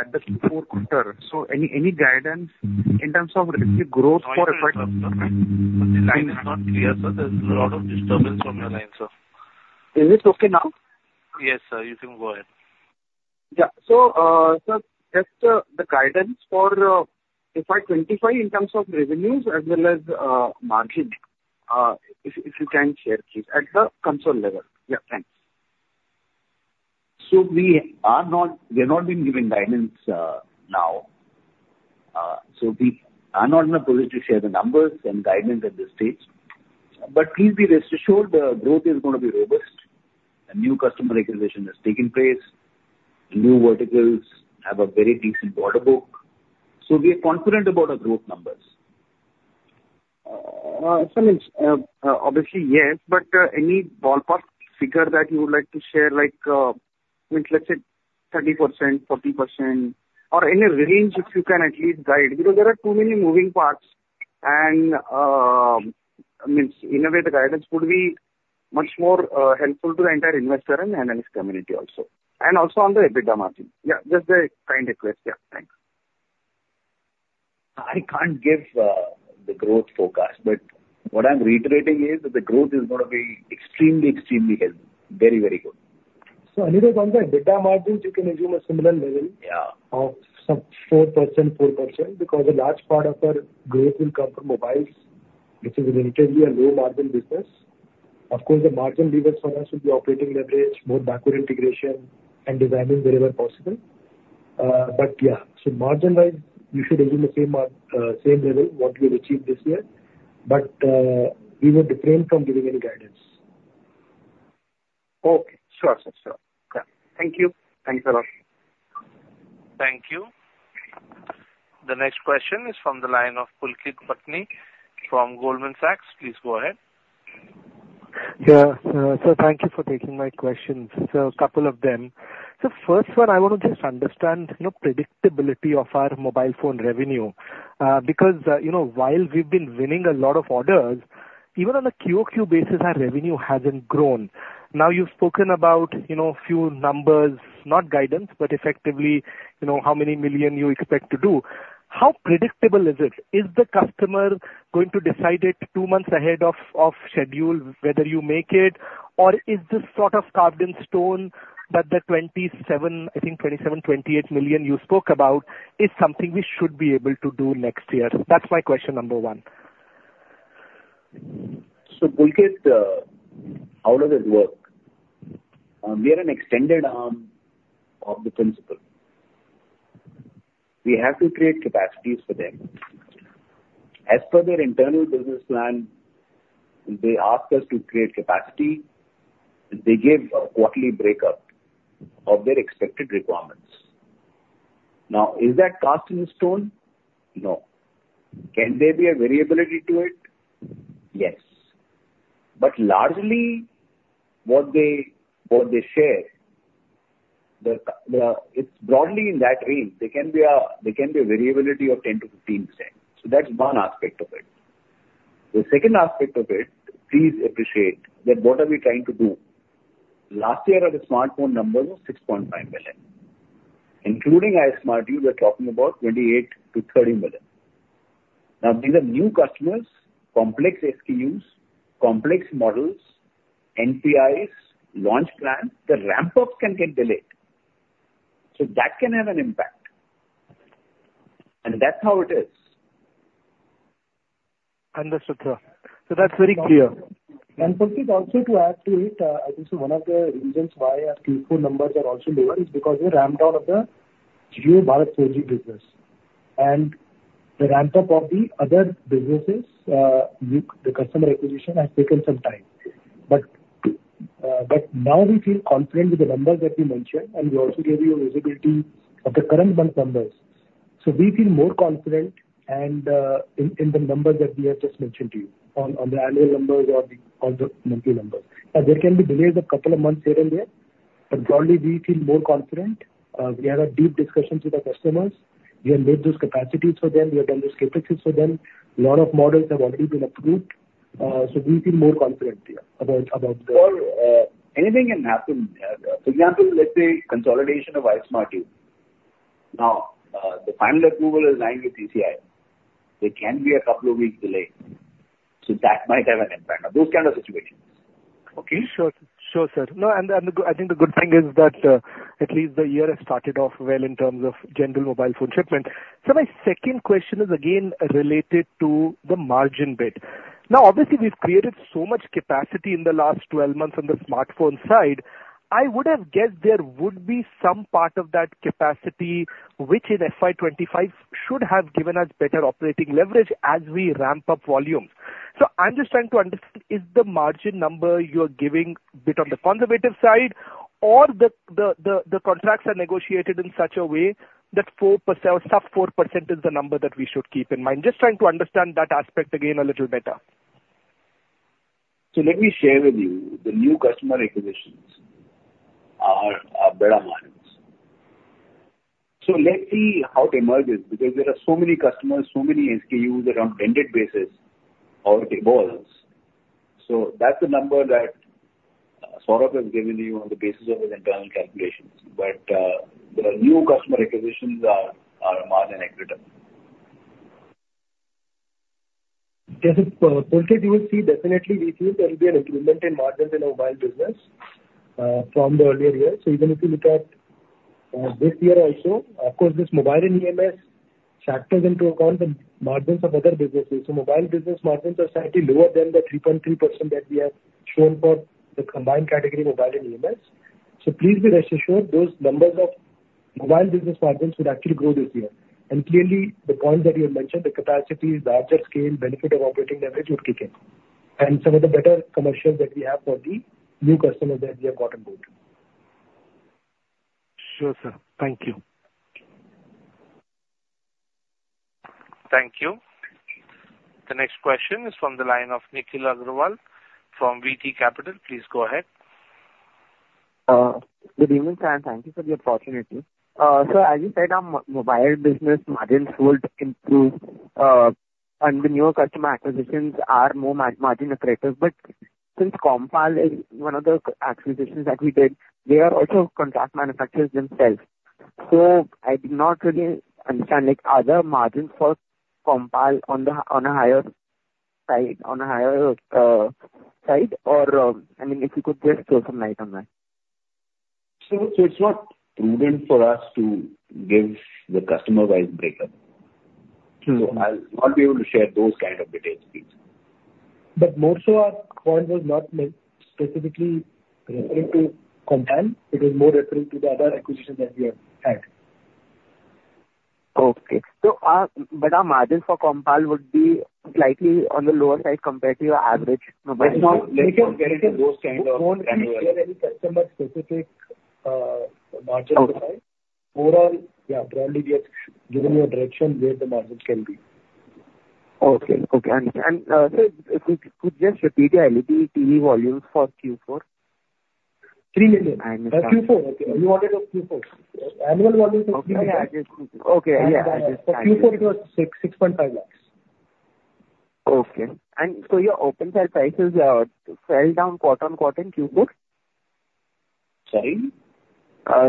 at the fourth quarter. So any guidance in terms of the growth for FY? The line is not clear, sir. There's a lot of disturbance from your line, sir. Is it okay now? Yes, sir, you can go ahead. Yeah. So, sir, just the guidance for if I quantify in terms of revenues as well as margin, if you can share, please, at the consolidated level. Yeah, thanks. We have not been giving guidance now. So we are not in a position to share the numbers and guidance at this stage. But please be rest assured, the growth is gonna be robust. A new customer acquisition has taken place. New verticals have a very decent order book, so we are confident about our growth numbers. So means, obviously, yes, but, any ballpark figure that you would like to share, like, means, let's say 30%, 40%, or any range, if you can at least guide? Because there are too many moving parts and, means innovate the guidance could be much more, helpful to the entire investor and analyst community also, and also on the EBITDA margin. Yeah, just a kind request. Yeah, thanks. I can't give the growth forecast, but what I'm reiterating is that the growth is gonna be extremely, extremely healthy. Very, very good. Anirudh, on the EBITDA margins, you can assume a similar level- Yeah... of some 4%, 4%, because a large part of our growth will come from mobiles, which is inherently a low margin business. Of course, the margin levers for us will be operating leverage, more backward integration and designing wherever possible. But yeah, so margin-wise, you should assume the same level what we have achieved this year. But, we will refrain from giving any guidance. Okay. Sure, sure, sure. Yeah. Thank you. Thanks a lot. Thank you. The next question is from the line of Pulkit Patni from Goldman Sachs. Please go ahead. Yeah. Sir, thank you for taking my questions. So a couple of them. So first one, I want to just understand, you know, predictability of our mobile phone revenue, because, you know, while we've been winning a lot of orders, even on a QOQ basis, our revenue hasn't grown. Now, you've spoken about, you know, few numbers, not guidance, but effectively, you know, how many million you expect to do. How predictable is it? Is the customer going to decide it two months ahead of schedule, whether you make it, or is this sort of carved in stone that the 27, I think, 27, 28 million you spoke about, is something we should be able to do next year? That's my question number one. So, Pulkit, how does it work? We are an extended arm of the principal. We have to create capacities for them. As per their internal business plan, they ask us to create capacity. They give a quarterly breakup of their expected requirements. Now, is that cast in stone? No. Can there be a variability to it? Yes. But largely, what they share, it's broadly in that range, there can be a variability of 10%-15%. So that's one aspect of it. The second aspect of it, please appreciate that what are we trying to do? Last year, our smartphone numbers were 6.5 million, including Ismartu, we're talking about 28-30 million. Now, these are new customers, complex SKUs, complex models, NPIs, launch plans. The ramp up can get delayed, so that can have an impact. That's how it is. Understood, sir. So that's very clear. Pulkit, also to add to it, I think one of the reasons why our Q4 numbers are also lower is because we ramped down on the JioBharat 4G business and the ramp up of the other businesses with the customer acquisition has taken some time. But now we feel confident with the numbers that we mentioned, and we also gave you a visibility of the current month numbers. So we feel more confident in the numbers that we have just mentioned to you on the annual numbers or on the monthly numbers. Now, there can be delays of couple of months here and there, but broadly, we feel more confident. We have a deep discussion with our customers. We have built those capacities for them, we have done those capacities for them. lot of models have already been approved. We feel more confident here about the- Or, anything can happen. For example, let's say consolidation of Ismartu. Now, the final approval is lying with CCI. There can be a couple of weeks delay, so that might have an impact on those kind of situations. Okay? Sure. Sure, sir. No, I think the good thing is that at least the year has started off well in terms of general mobile phone shipment. So my second question is again related to the margin bit. Now, obviously, we've created so much capacity in the last 12 months on the smartphone side, I would have guessed there would be some part of that capacity, which in FY 2025 should have given us better operating leverage as we ramp up volumes. So I'm just trying to understand, is the margin number you're giving bit on the conservative side, or the contracts are negotiated in such a way that 4% or sub-4% is the number that we should keep in mind? Just trying to understand that aspect again a little better. So let me share with you the new customer acquisitions are, are better margins. So let's see how it emerges, because there are so many customers, so many SKUs around blended basis or it evolves. So that's the number that, Saurabh has given you on the basis of his internal calculations. But, there are new customer acquisitions are, are margin accretive. Yes, Pulkit, you will see definitely we feel there will be an improvement in margins in our mobile business, from the earlier years. So even if you look at, this year also, of course, this mobile and EMS factors into account the margins of other businesses. So mobile business margins are slightly lower than the 3.3% that we have shown for the combined category, mobile and EMS. So please be rest assured, those numbers of mobile business margins would actually grow this year. And clearly, the points that you have mentioned, the capacity, larger scale, benefit of operating leverage would kick in. And some of the better commercials that we have for the new customers that we have gotten board. Sure, sir. Thank you. Thank you. The next question is from the line of Nikhil Agrawal from VT Capital. Please go ahead. Good evening, sir, and thank you for the opportunity. So as you said, our mobile business margins would improve, and the newer customer acquisitions are more margin accretive. But since Compal is one of the acquisitions that we did, they are also contract manufacturers themselves. So I do not really understand, like, are the margins for Compal on the, on a higher side, on a higher side? Or, I mean, if you could just throw some light on that. So, it's not prudent for us to give the customer-wide breakup. Mm-hmm. I'll not be able to share those kind of details, please. But more so, our point was not meant specifically referring to Compal. It was more referring to the other acquisitions that we have had. Okay. So, but our margin for Compal would be slightly on the lower side compared to your average? No, but it's not- We can get into those kind of- We won't be sharing any customer-specific, margin side. Okay. Overall, yeah, broadly, we have given you a direction where the margins can be. Okay. And, sir, could you just repeat the annual TV volumes for Q4? Three million. I missed that. Q4, okay. You wanted of Q4. Annual volumes of Q4. Okay, yeah, I just... Q4 was INR 6.65 lakhs. Okay. And so your open cell prices fell down quarter-on-quarter in Q4? Sorry?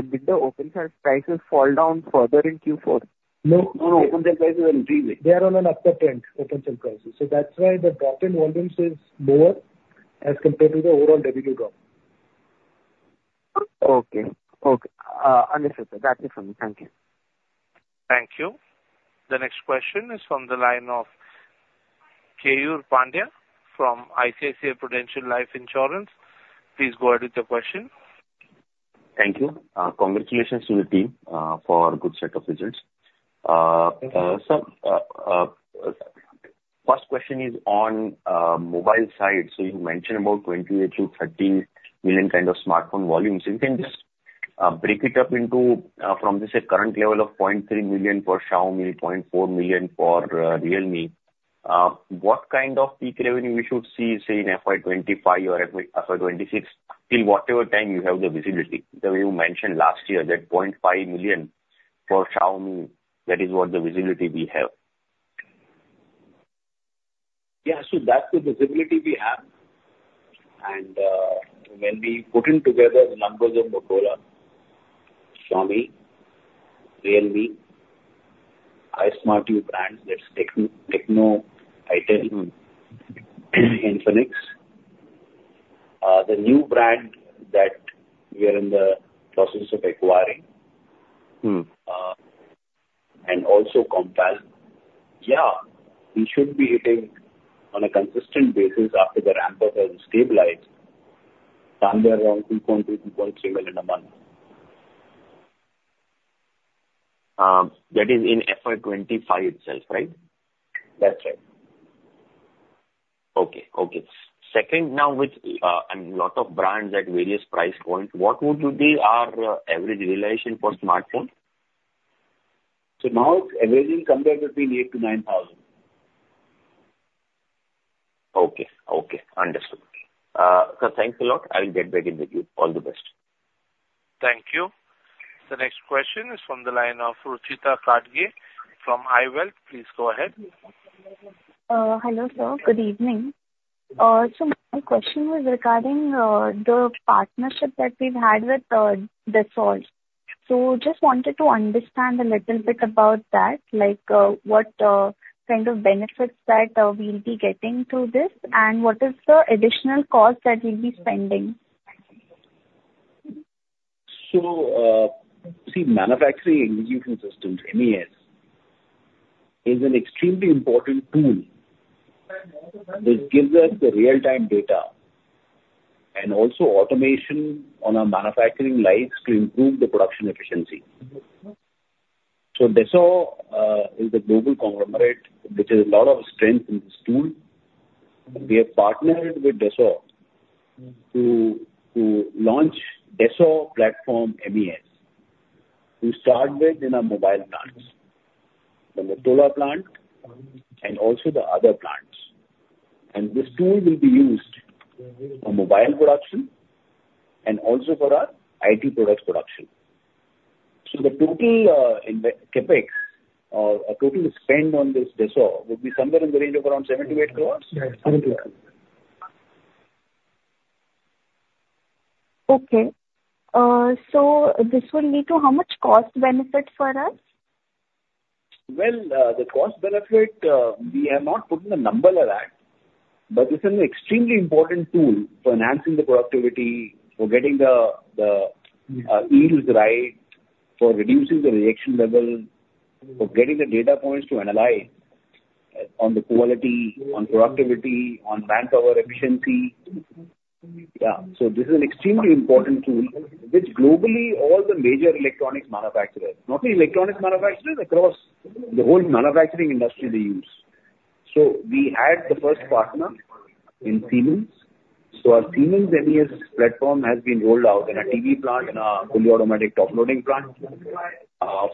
Did the open cell prices fall down further in Q4? No, no, open cell prices are increasing. They are on an upward trend, open cell prices. So that's why the drop in volumes is lower as compared to the overall revenue drop. Okay. Okay. Understood, sir. That's it from me. Thank you. Thank you. The next question is from the line of Keyur Pandya from ICICI Prudential Life Insurance. Please go ahead with your question. Thank you. Congratulations to the team for good set of results. First question is on mobile side. You mentioned about 28-13 million kind of smartphone volumes. You can just break it up into from, let's say, current level of 0.3 million for Xiaomi, 0.4 million for Realme. What kind of peak revenue we should see, say, in FY 2025 or FY 2026, till whatever time you have the visibility? You mentioned last year that 0.5 million for Xiaomi, that is what the visibility we have. Yeah, so that's the visibility we have. And, when we putting together the numbers of Motorola, Xiaomi, Realme, Ismartu brands, that's TECNO, itel, Infinix, the new brand that we are in the process of acquiring. Mm-hmm. And also Compal. Yeah, we should be hitting on a consistent basis after the ramp up has stabilized, somewhere around 2.2 billion-2.3 billion a month. That is in FY 2025 itself, right? That's right. Okay. Okay. Second, now with, and lot of brands at various price points, what would be our average realization for smartphone? So now, averaging comes between 8,,000-9,000 Okay. Okay. Understood. Sir, thanks a lot. I'll get back in with you. All the best. Thank you. The next question is from the line of Ruchita Ghadge from I-Wealth. Please go ahead. Hello, sir. Good evening. My question was regarding the partnership that we've had with Dassault. Just wanted to understand a little bit about that, like what kind of benefits that we'll be getting through this, and what is the additional cost that we'll be spending? So, see, Manufacturing Execution Systems, MES, is an extremely important tool that gives us the real-time data and also automation on our manufacturing lines to improve the production efficiency. So Dassault is a global conglomerate, which has a lot of strength in this tool. We have partnered with Dassault to, to launch Dassault Platform MES. We start with in our mobile plants, from the Motorola plant- and also the other plants. And this tool will be used for mobile production and also for our IT products production. So the total, in the CapEx, or our total spend on this Dassault, would be somewhere in the range of around 78 crore? Yes, 70 crore. Okay. So this will lead to how much cost benefit for us? Well, the cost benefit, we have not put a number on that, but this is an extremely important tool for enhancing the productivity, for getting the yields right, for reducing the reaction level, for getting the data points to analyze on the quality, on productivity, on manpower efficiency. Yeah, so this is an extremely important tool, which globally, all the major electronics manufacturers, not only electronics manufacturers, across the whole manufacturing industry, they use. So we had the first partner in Siemens. So our Siemens MES platform has been rolled out in our TV plant, in our fully automatic top loading plant.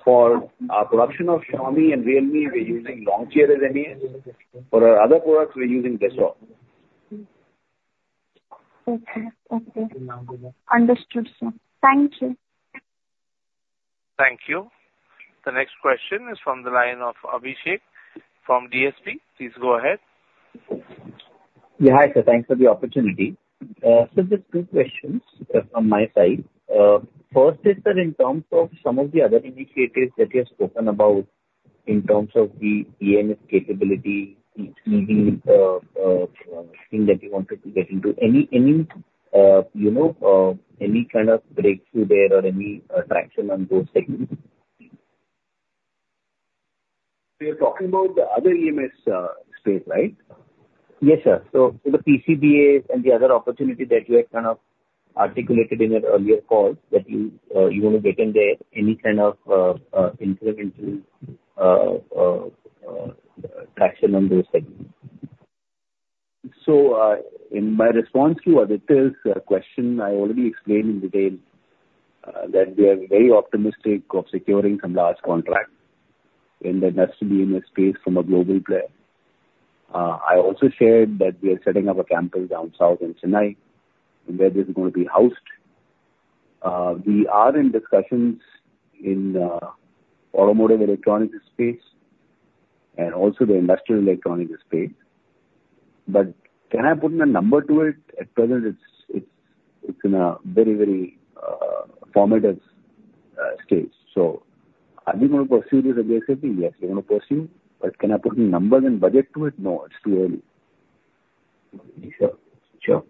For our production of Xiaomi and Realme, we're using Longcheer as MES. For our other products, we're using Dassault. Okay. Okay. Understood, sir. Thank you. Thank you. The next question is from the line of Abhishek from DSP. Please go ahead. Yeah, hi, sir. Thanks for the opportunity. So just two questions from my side. First is that in terms of some of the other initiatives that you have spoken about, in terms of the EMS capability, including thing that you wanted to get into. Any you know any kind of breakthrough there or any traction on those segments? We are talking about the other EMS space, right? Yes, sir. So the PCBA and the other opportunity that you had kind of articulated in an earlier call, that you want to get in there, any kind of incremental traction on those segments? So, in my response to Aditya's question, I already explained in detail that we are very optimistic of securing some large contract in the EMS space from a global player. I also shared that we are setting up a campus down south in Chennai, and where this is going to be housed. We are in discussions in automotive electronics space and also the industrial electronics space. But can I put a number to it? At present, it's in a very, very formative stage. So are we going to pursue this aggressively? Yes, we're going to pursue. But can I put any numbers and budget to it? No, it's too early. Sure. Sure.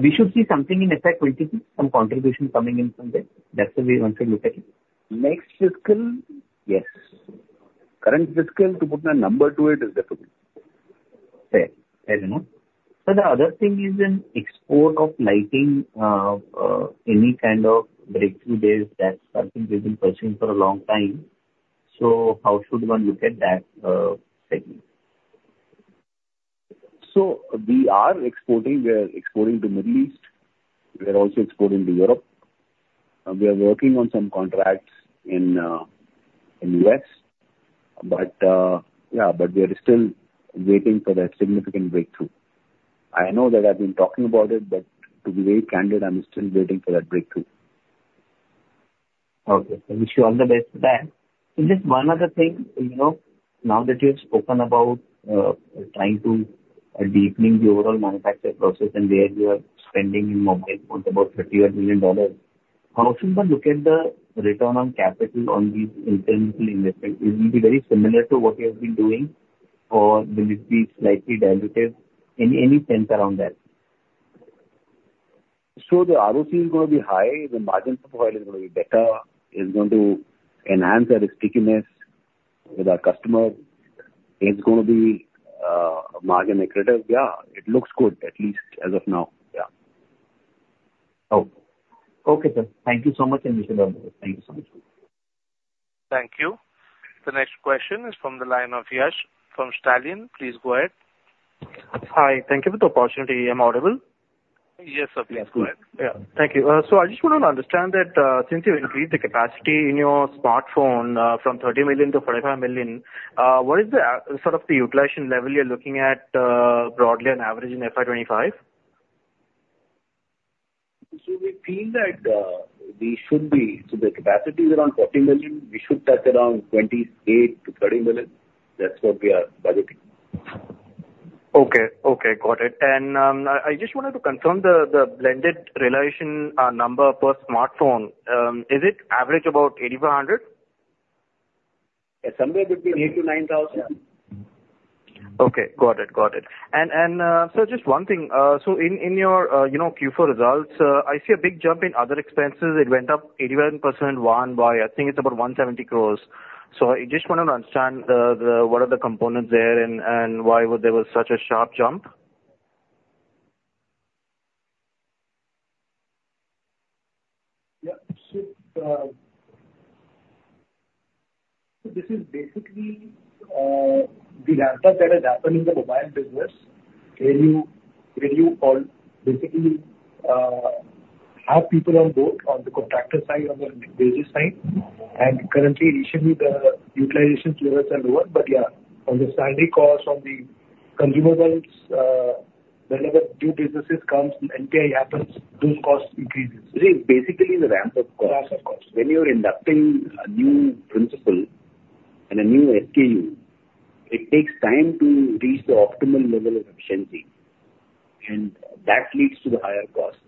We should see something in FY 2022, some contribution coming in from there? That's the way one should look at it. Next fiscal, yes. Current fiscal, to put a number to it, is difficult. Fair. Fair enough. So the other thing is in export of lighting, any kind of breakthrough there that Dixon has been pursuing for a long time. So how should one look at that segment? So we are exporting. We are exporting to Middle East. We are also exporting to Europe. We are working on some contracts in U.S. But, yeah, but we are still waiting for that significant breakthrough. I know that I've been talking about it, but to be very candid, I'm still waiting for that breakthrough. Okay. I wish you all the best for that. And just one other thing, you know, now that you've spoken about trying to deepening the overall manufacture process and where you are spending in mobile phones, about $31 million, how should one look at the return on capital on these incremental investment? It will be very similar to what you have been doing, or will it be slightly diluted? Any sense around that? So the ROC is going to be high, the margin profile is going to be better. It's going to enhance our stickiness with our customer. It's going to be-... margin accretive. Yeah, it looks good, at least as of now. Yeah. Oh, okay, sir. Thank you so much, and wish you well. Thank you so much. Thank you. The next question is from the line of Yash from Stallion. Please go ahead. Hi. Thank you for the opportunity. Am I audible? Yes, sir. Please go ahead. Yeah. Thank you. So I just wanted to understand that, since you increased the capacity in your smartphone, from 30 million to 45 million, what is the sort of the utilization level you're looking at, broadly on average in FY 2025? So we feel that we should be. The capacity is around 40 million. We should touch around 28-30 million. That's what we are budgeting. Okay. Okay, got it. And I just wanted to confirm the blended realization number per smartphone. Is it average about 8,400? Yeah, somewhere between 8,000-9,000. Okay, got it. Got it. So just one thing, so in, in your, you know, Q4 results, I see a big jump in other expenses. It went up 81% year-on-year. I think it's about 170 crore. So I just wanted to understand, the, what are the components there and, and why would there was such a sharp jump? Yeah. So, this is basically the ramp-up that has happened in the mobile business, where you basically have people on board, on the contractor side, on the wages side. And currently, initially, the utilization levels are lower, but yeah, on the standing costs, on the consumer goods, whenever new businesses comes, NPI happens, those costs increases. This is basically the ramp-up costs. Ramp-up costs. When you are inducting a new principal and a new SKU, it takes time to reach the optimal level of efficiency, and that leads to the higher cost.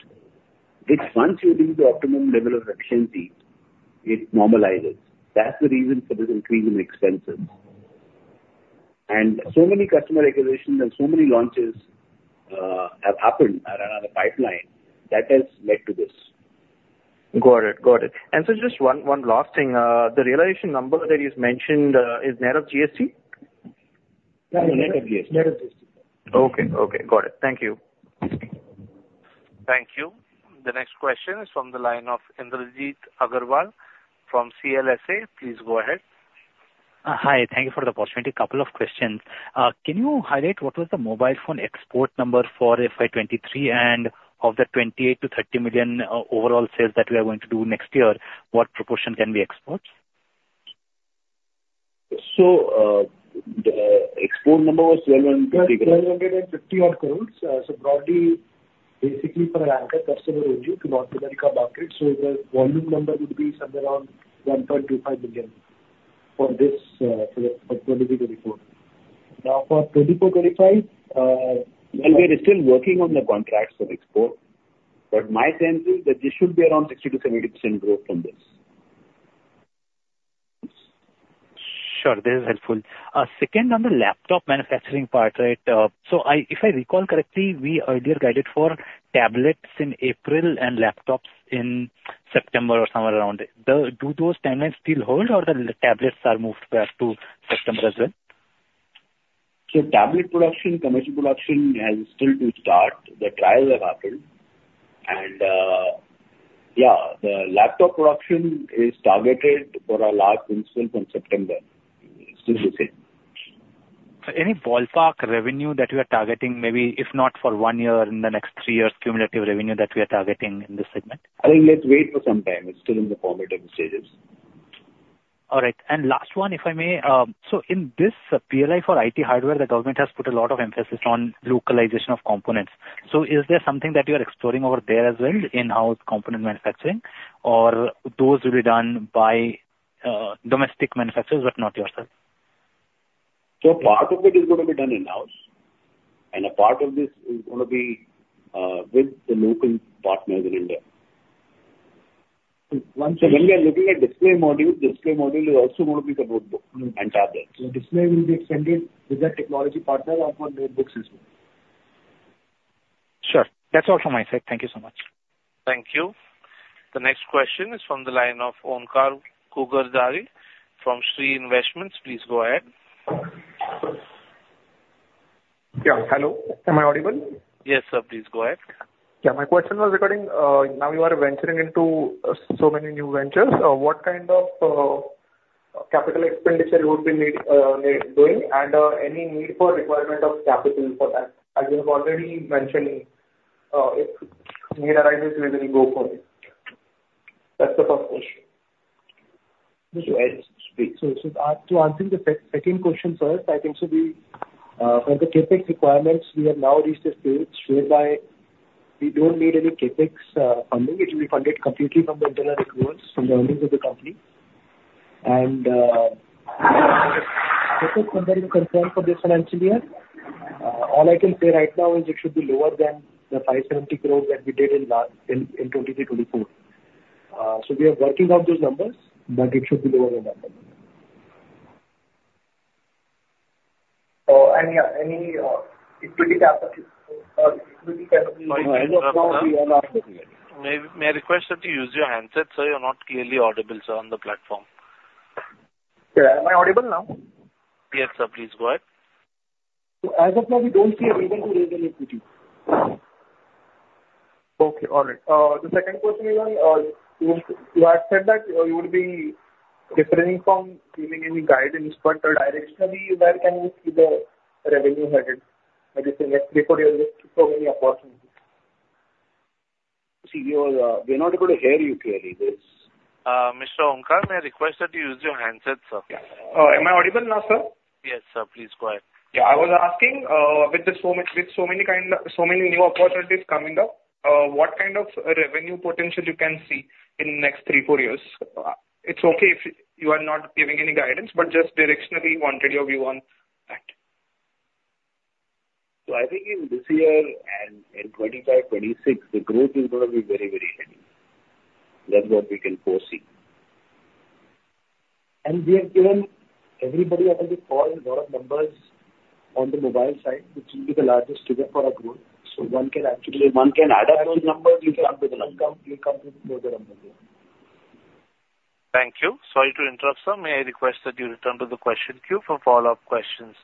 It's once you reach the optimum level of efficiency, it normalizes. That's the reason for this increase in expenses. And so many customer acquisitions and so many launches, have happened are on the pipeline. That has led to this. Got it. Got it. And so just one, one last thing. The realization number that is mentioned, is net of GST? Net of GST. Net of GST. Okay. Okay, got it. Thank you. Thank you. The next question is from the line of Indrajit Agarwal from CLSA. Please go ahead. Hi. Thank you for the opportunity. A couple of questions. Can you highlight what was the mobile phone export number for FY 2023? And of the 28-30 million overall sales that we are going to do next year, what proportion can be exports? The export number was 1,200 and- INR 1,250-odd crore. So broadly, basically for an Apple customer only, to North America market, so the volume number would be somewhere around $1.25 billion for this, for the 2023 report. Now, for 2024, 2025, and we are still working on the contracts for export, but my sense is that this should be around 60%-70% growth from this. Sure, this is helpful. Second, on the laptop manufacturing part, right? So if I recall correctly, we earlier guided for tablets in April and laptops in September or somewhere around there. Do those timelines still hold, or the laptops are moved back to September as well? Tablet production, commercial production, has still to start. The trials have happened. Yeah, the laptop production is targeted for our large facility in September. Still the same. So any ballpark revenue that you are targeting, maybe if not for one year, in the next three years, cumulative revenue that we are targeting in this segment? I think let's wait for some time. It's still in the formative stages. All right. And last one, if I may. So in this PLI for IT hardware, the government has put a lot of emphasis on localization of components. So is there something that you are exploring over there as well in-house component manufacturing, or those will be done by domestic manufacturers, but not yourself? Part of it is going to be done in-house, and a part of this is going to be, with the local partners in India. One second- When we are looking at display module, display module is also going to be the notebook and tablets. So display will be extended with the technology partner or for notebooks as well. Sure. That's all from my side. Thank you so much. Thank you. The next question is from the line of Onkar Ghugardare from Shree Investments. Please go ahead. Yeah, hello. Am I audible? Yes, sir, please go ahead. Yeah, my question was regarding now you are venturing into so many new ventures. What kind of capital expenditure would you need, need doing, and any need for requirement of capital for that? As you have already mentioned, if need arises, we will go for it. That's the first question. Please go ahead. Speak. So, to answer the second question first, I think so we for the CapEx requirements, we have now reached a stage whereby we don't need any CapEx funding. It will be funded completely from the internal revenues, from the earnings of the company. And concerning this financial year, all I can say right now is it should be lower than the 570 crores that we did in 2023-2024. So we are working on those numbers, but it should be lower than that. Yeah, any, it should be capital?... May, may I request that you use your handset, sir? You're not clearly audible, sir, on the platform. Yeah. Am I audible now? Yes, sir. Please go ahead. So as of now, we don't see a reason to raise any equity. Okay. All right. The second question is on, you have said that you would be differing from giving any guidance, but directionally, where can you see the revenue headed, like you say, next three, four years, so many opportunities? CEO, we're not able to hear you clearly, please. Mr. Onkar, may I request that you use your handset, sir? Am I audible now, sir? Yes, sir. Please go ahead. Yeah, I was asking, with so many kinds, so many new opportunities coming up, what kind of revenue potential you can see in next three, four years? It's okay if you are not giving any guidance, but just directionally, qualitatively, or we want that. I think in this year and in 2025, 2026, the growth is gonna be very, very heavy. That's what we can foresee. We have given everybody on the call a lot of numbers on the mobile side, which will be the largest driver for our growth. One can actually- One can add up those numbers. You'll come to the number. You'll come to the further number. Yeah. Thank you. Sorry to interrupt, sir. May I request that you return to the question queue for follow-up questions?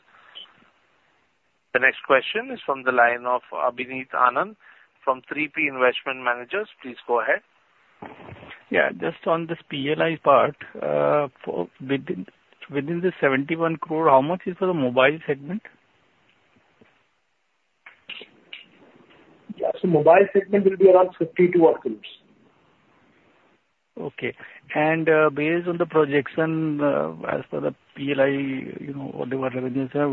The next question is from the line of Abhineet Anand from 3P Investment Managers. Please go ahead. Yeah, just on this PLI part, for within the 71 crore, how much is for the mobile segment? Yeah, so mobile segment will be around 52 crore. Okay. And, based on the projection, as per the PLI, you know, what they were,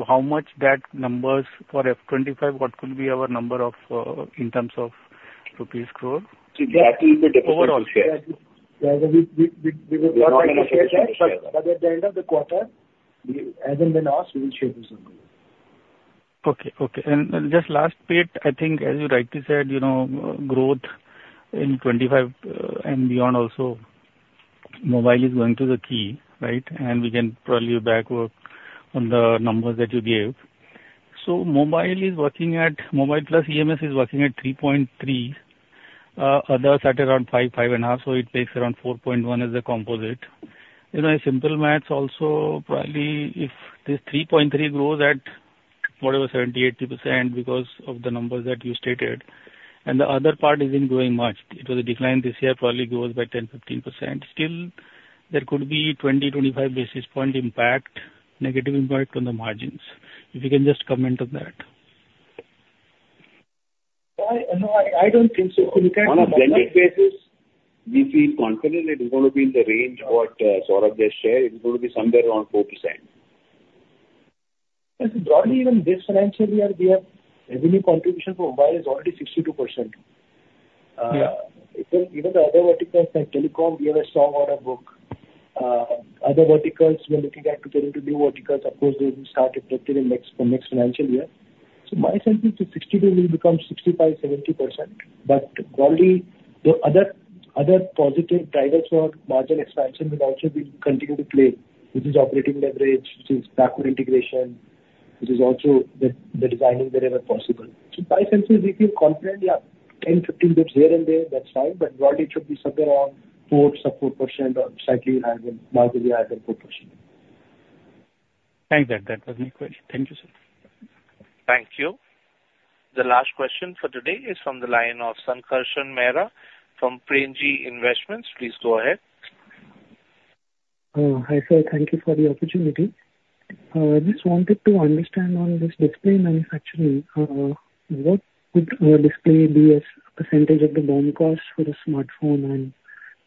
how much that numbers for FY 2025, what will be our number of, in terms of rupees crore? See, that will be the- Overall share. Yeah, we will not share, but at the end of the quarter, as and when asked, we will share this number. Okay, okay. And just last bit, I think as you rightly said, you know, growth in 2025 and beyond also, mobile is going to be key, right? And we can probably back work on the numbers that you gave. So mobile is working at... Mobile plus EMS is working at 3.3, others at around 5-5.5, so it takes around 4.1 as a composite. You know, a simple math also, probably if this 3.3 grows at whatever, 70%-80% because of the numbers that you stated, and the other part isn't growing much, it was a decline this year, probably grows by 10%-15%. Still, there could be 20-25 basis points impact, negative impact on the margins. If you can just comment on that. Well, no, I don't think so. On a blended basis, we feel confident it is going to be in the range of what, Saurabh just shared. It is going to be somewhere around 4%. Broadly, even this financial year, we have revenue contribution for mobile is already 62%. Yeah. Even, even the other verticals like telecom, we have a strong order book. Other verticals, we are looking at to get into new verticals, of course, they will start effectively next, next financial year. So my sense is 62 will become 65, 70%, but broadly, the other, other positive drivers for margin expansion will also be continue to play, which is operating leverage, which is backward integration, which is also the, the designing wherever possible. So by senses we feel confident, yeah, 10, 15 basis points here and there, that's fine, but broadly it should be somewhere around 4, sub-4% or slightly higher than, marginally higher than 4%. Thank you. That was my question. Thank you, sir. Thank you. The last question for today is from the line of Sankarshan Mehra from Premji Invest. Please go ahead. Hi, sir. Thank you for the opportunity. I just wanted to understand on this display manufacturing, what would display be as percentage of the BOM cost for the smartphone, and,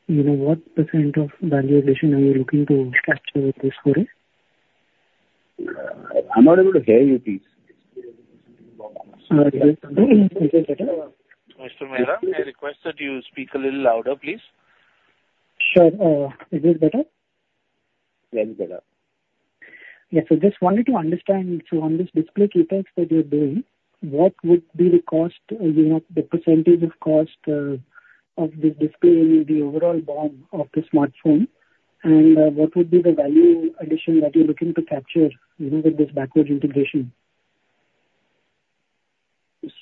you know, what precent of value addition are you looking to capture with this query? I'm not able to hear you, please. Is this better? Mr. Mehra, I request that you speak a little louder, please. Sure. Is this better? Yes, better. Yeah. So just wanted to understand, so on this display module that you're doing, what would be the cost, you know, the percentage of cost of the display in the overall BOM of the smartphone? And what would be the value addition that you're looking to capture, you know, with this backward integration?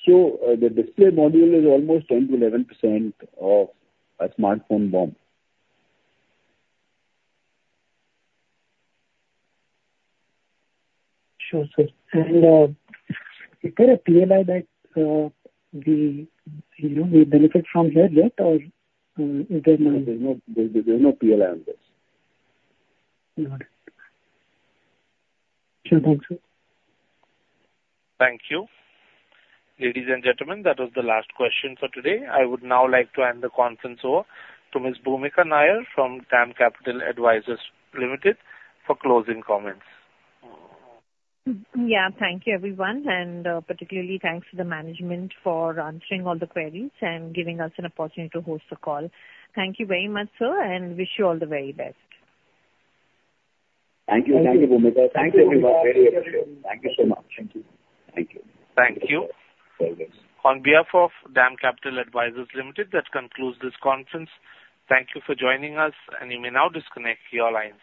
The display module is almost 10%-11% of a smartphone BOM. Sure, sir. Is there a PLI that, we, you know, we benefit from there yet or, is there none? There's no PLI on this. Got it. Sure. Thanks, sir. Thank you. Ladies and gentlemen, that was the last question for today. I would now like to hand the conference over to Ms. Bhumika Nair from DAM Capital Advisors Limited, for closing comments. Yeah, thank you, everyone, and, particularly thanks to the management for answering all the queries and giving us an opportunity to host the call. Thank you very much, sir, and wish you all the very best. Thank you. Thank you, Bhumika. Thanks, everyone. Very appreciated. Thank you so much. Thank you. Thank you. Thank you. All the best. On behalf of DAM Capital Advisors Limited, that concludes this conference. Thank you for joining us, and you may now disconnect your lines.